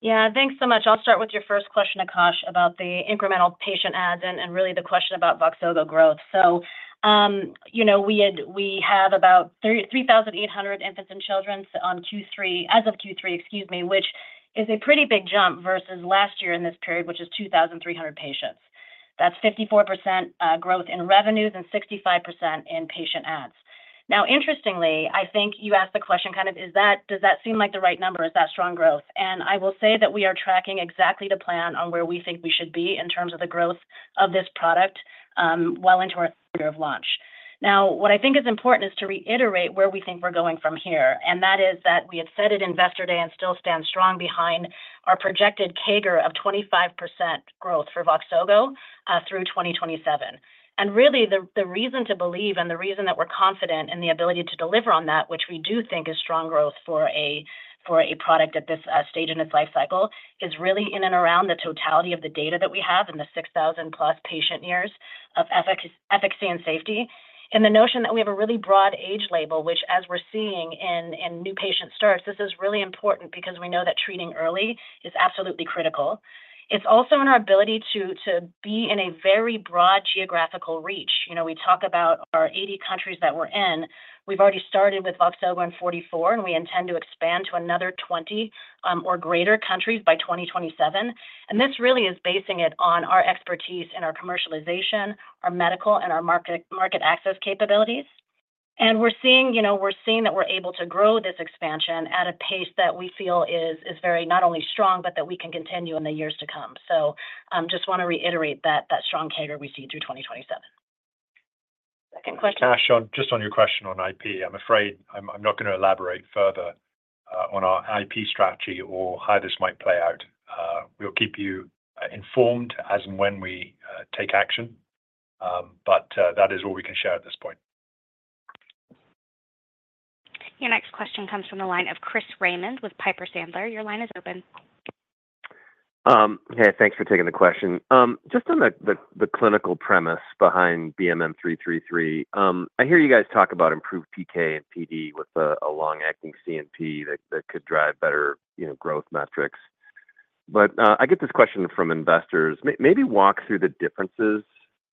Yeah. Thanks so much. I'll start with your first question, Akash, about the incremental patient adds and really the question about VOXOGO growth. So we have about 3,800 infants and children as of Q3, excuse me, which is a pretty big jump versus last year in this period, which is 2,300 patients. That's 54% growth in revenues and 65% in patient adds. Now, interestingly, I think you asked the question, kind of, does that seem like the right number? Is that strong growth, and I will say that we are tracking exactly to plan on where we think we should be in terms of the growth of this product well into our third year of launch. Now, what I think is important is to reiterate where we think we're going from here. That is that we had said at Investor Day and still stand strong behind our projected CAGR of 25% growth for VOXOGO through 2027. Really, the reason to believe and the reason that we're confident in the ability to deliver on that, which we do think is strong growth for a product at this stage in its life cycle, is really in and around the totality of the data that we have in the 6,000-plus patient years of efficacy and safety. The notion that we have a really broad age label, which, as we're seeing in new patient starts, this is really important because we know that treating early is absolutely critical. It's also in our ability to be in a very broad geographical reach. We talk about our 80 countries that we're in. We've already started with VOXOGO in 2024, and we intend to expand to another 20 or greater countries by 2027. And this really is basing it on our expertise in our commercialization, our medical, and our market access capabilities. And we're seeing that we're able to grow this expansion at a pace that we feel is very not only strong, but that we can continue in the years to come. So I just want to reiterate that strong CAGR we see through 2027. Second question. Just on your question on IP, I'm afraid I'm not going to elaborate further on our IP strategy or how this might play out. We'll keep you informed as and when we take action. But that is all we can share at this point. Your next question comes from the line of Chris Raymond with Piper Sandler. Your line is open. Hey, thanks for taking the question. Just on the clinical premise behind BMN 333, I hear you guys talk about improved PK and PD with a long-acting CNP that could drive better growth metrics. But I get this question from investors. Maybe walk through the differences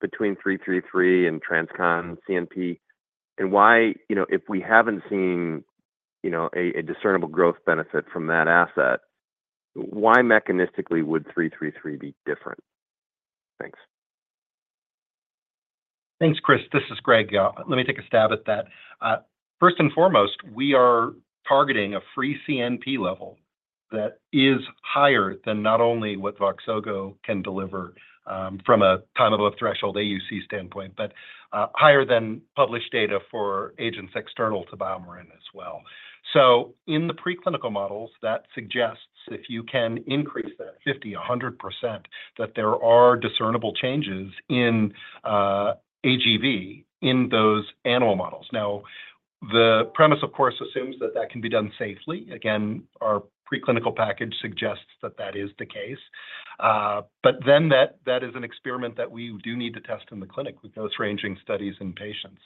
between 333 and TransCon CNP and why, if we haven't seen a discernible growth benefit from that asset, why mechanistically would 333 be different? Thanks. Thanks, Chris. This is Greg. Let me take a stab at that. First and foremost, we are targeting a free CNP level that is higher than not only what VOXOGO can deliver from a time-above threshold AUC standpoint, but higher than published data for agents external to BioMarin as well. So in the preclinical models, that suggests if you can increase that 50%-100%, that there are discernible changes in AGV in those animal models. Now, the premise, of course, assumes that that can be done safely. Again, our preclinical package suggests that that is the case. But then that is an experiment that we do need to test in the clinic with those ranging studies in patients.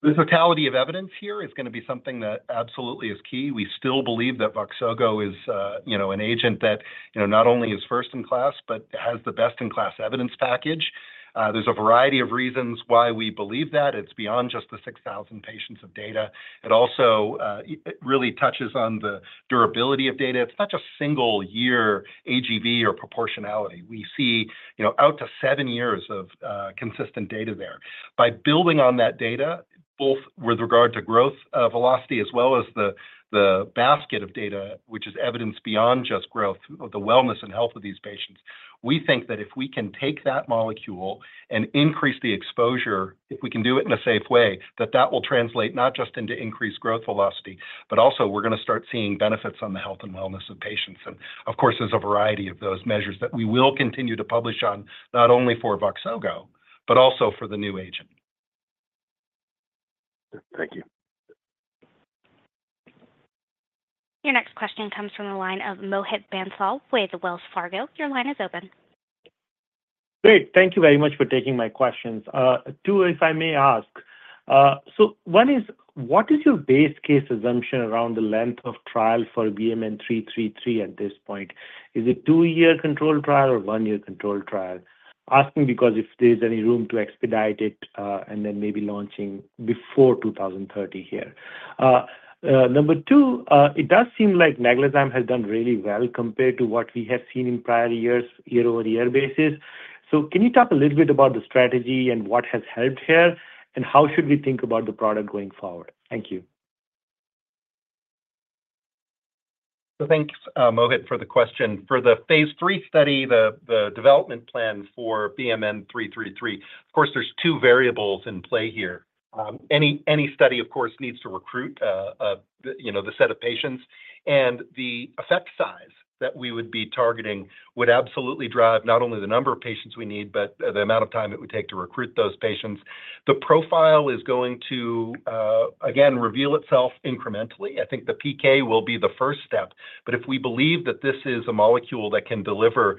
The totality of evidence here is going to be something that absolutely is key. We still believe that VOXOGO is an agent that not only is first in class, but has the best-in-class evidence package. There's a variety of reasons why we believe that. It's beyond just the 6,000 patients of data. It also really touches on the durability of data. It's not just single-year AGV or proportionality. We see out to seven years of consistent data there. By building on that data, both with regard to growth velocity as well as the basket of data, which is evidence beyond just growth, the wellness and health of these patients, we think that if we can take that molecule and increase the exposure, if we can do it in a safe way, that that will translate not just into increased growth velocity, but also we're going to start seeing benefits on the health and wellness of patients. Of course, there's a variety of those measures that we will continue to publish on not only for VOXOGO, but also for the new agent. Thank you. Your next question comes from the line of Mohit Bansal with Wells Fargo. Your line is open. Great. Thank you very much for taking my questions. Two, if I may ask, so one is, what is your base case assumption around the length of trial for BMN 333 at this point? Is it a two-year control trial or a one-year control trial? Asking because if there's any room to expedite it and then maybe launching before 2030 here. Number two, it does seem like Naglazyme has done really well compared to what we have seen in prior years year-over-year basis. So can you talk a little bit about the strategy and what has helped here and how should we think about the product going forward? Thank you. So thanks, Mohit, for the question. For the phase 3 study, the development plan for BMN 333, of course, there's two variables in play here. Any study, of course, needs to recruit the set of patients. The effect size that we would be targeting would absolutely drive not only the number of patients we need, but the amount of time it would take to recruit those patients. The profile is going to, again, reveal itself incrementally. I think the PK will be the first step. But if we believe that this is a molecule that can deliver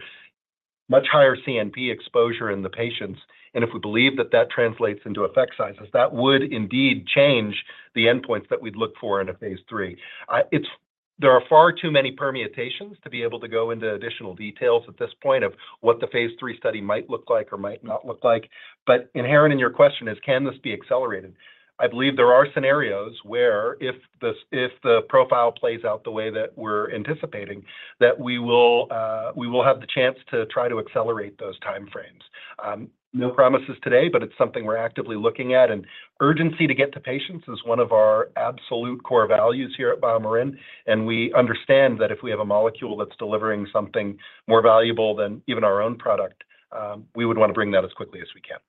much higher CNP exposure in the patients, and if we believe that that translates into effect sizes, that would indeed change the endpoints that we'd look for in a phase three. There are far too many permutations to be able to go into additional details at this point of what the phase three study might look like or might not look like. But inherent in your question is, can this be accelerated? I believe there are scenarios where if the profile plays out the way that we're anticipating, that we will have the chance to try to accelerate those timeframes. No promises today, but it's something we're actively looking at. And urgency to get to patients is one of our absolute core values here at BioMarin. And we understand that if we have a molecule that's delivering something more valuable than even our own product, we would want to bring that as quickly as we can.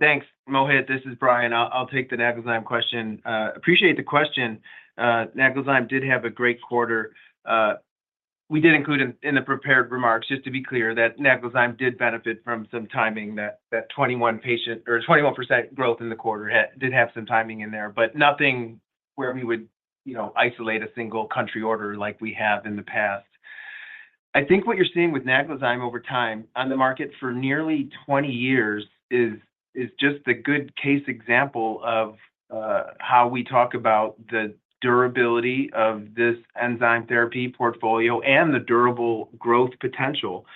Thanks, Mohit. This is Brian. I'll take the Naglazyme question. Appreciate the question. Naglazyme did have a great quarter. We did include in the prepared remarks, just to be clear, that Naglazyme did benefit from some timing. That 21% growth in the quarter did have some timing in there, but nothing where we would isolate a single country order like we have in the past. I think what you're seeing with Naglazyme over time on the market for nearly 20 years is just the good case example of how we talk about the durability of this enzyme therapy portfolio and the durable growth potential.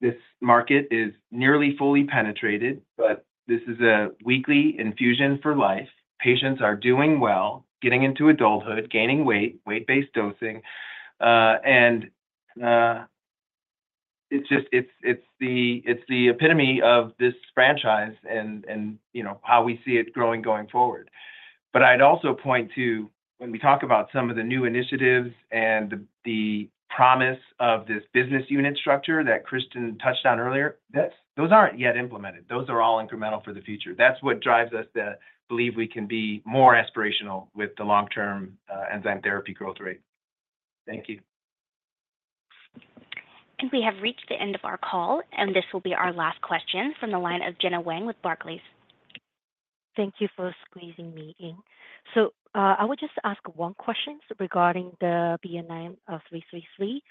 This market is nearly fully penetrated, but this is a weekly infusion for life. Patients are doing well, getting into adulthood, gaining weight, weight-based dosing, and it's the epitome of this franchise and how we see it growing going forward. But I'd also point to when we talk about some of the new initiatives and the promise of this business unit structure that Cristin touched on earlier. Those aren't yet implemented. Those are all incremental for the future. That's what drives us to believe we can be more aspirational with the long-term enzyme therapy growth rate. Thank you. We have reached the end of our call, and this will be our last question from the line Thank you for squeezing me, in. So I would just ask one question regarding the BMN 333.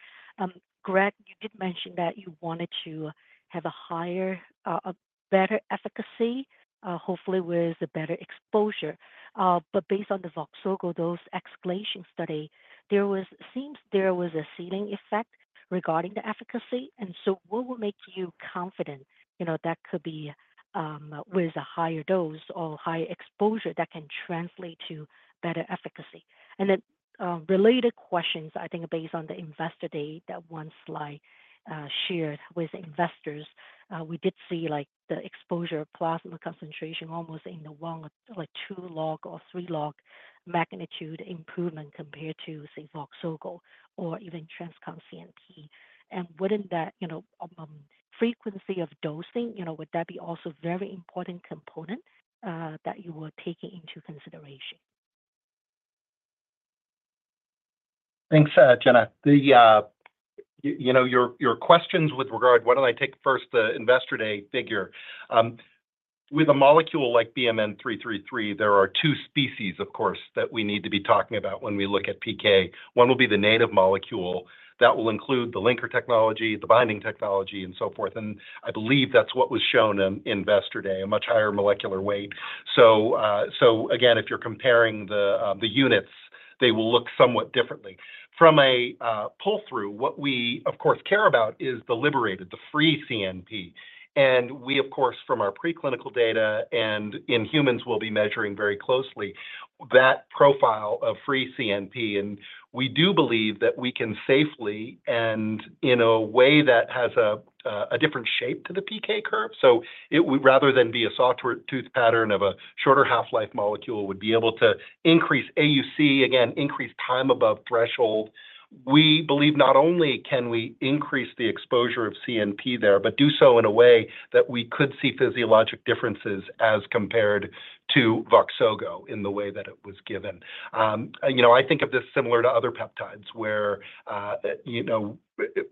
Greg, you did mention that you wanted to have a better efficacy, hopefully with a better exposure. But based on the VOXOGO dose escalation study, it seems there was a ceiling effect regarding the efficacy. And so what will make you confident that could be with a higher dose or higher exposure that can translate to better efficacy? And then related questions, I think based on the investor day that one slide shared with investors, we did see the exposure plasma concentration almost in the one or two log or three log magnitude improvement compared to, say, VOXOGO or even TransCon CNP. And wouldn't that frequency of dosing, would that be also a very important component that you were taking into consideration? Thanks, Gena. Your questions with regard, why don't I take first the investor day figure? With a molecule like BMN 333, there are two species, of course, that we need to be talking about when we look at PK. One will be the native molecule. That will include the linker technology, the binding technology, and so forth. And I believe that's what was shown in investor day, a much higher molecular weight. So again, if you're comparing the units, they will look somewhat differently. From a pull-through, what we, of course, care about is the liberated, the free CNP. And we, of course, from our preclinical data and in humans, will be measuring very closely that profile of free CNP. And we do believe that we can safely and in a way that has a different shape to the PK curve. So rather than be a sawtooth pattern of a shorter half-life molecule, we would be able to increase AUC, again, increase time above threshold. We believe not only can we increase the exposure of CNP there, but do so in a way that we could see physiologic differences as compared to VOXOGO in the way that it was given. I think of this similar to other peptides where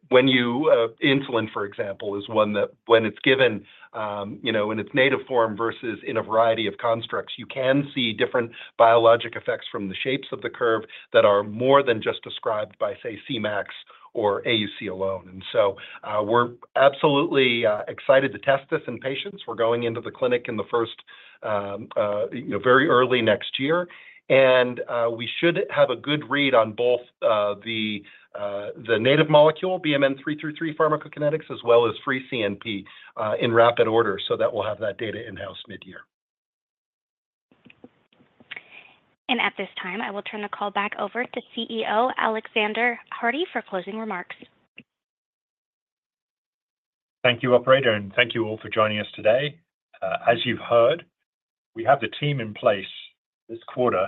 when you insulin, for example, is one that when it's given in its native form versus in a variety of constructs, you can see different biologic effects from the shapes of the curve that are more than just described by, say, CMAX or AUC alone. And so we're absolutely excited to test this in patients. We're going into the clinic in the very early next year. We should have a good read on both the native molecule, BMN 333 pharmacokinetics, as well as free CNP in rapid order so that we'll have that data in-house mid-year. At this time, I will turn the call back over to CEO Alexander Hardy for closing remarks. Thank you, Operator. And thank you all for joining us today. As you've heard, we have the team in place this quarter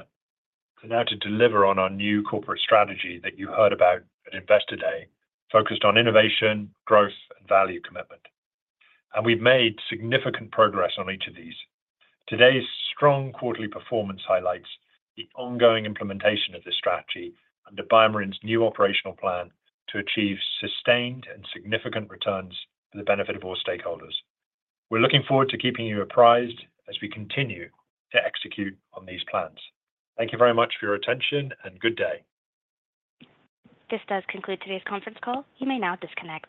now to deliver on our new corporate strategy that you heard about at investor day focused on innovation, growth, and value commitment. And we've made significant progress on each of these. Today's strong quarterly performance highlights the ongoing implementation of this strategy under BioMarin's new operational plan to achieve sustained and significant returns for the benefit of all stakeholders. We're looking forward to keeping you apprised as we continue to execute on these plans. Thank you very much for your attention and good day. This does conclude today's conference call. You may now disconnect.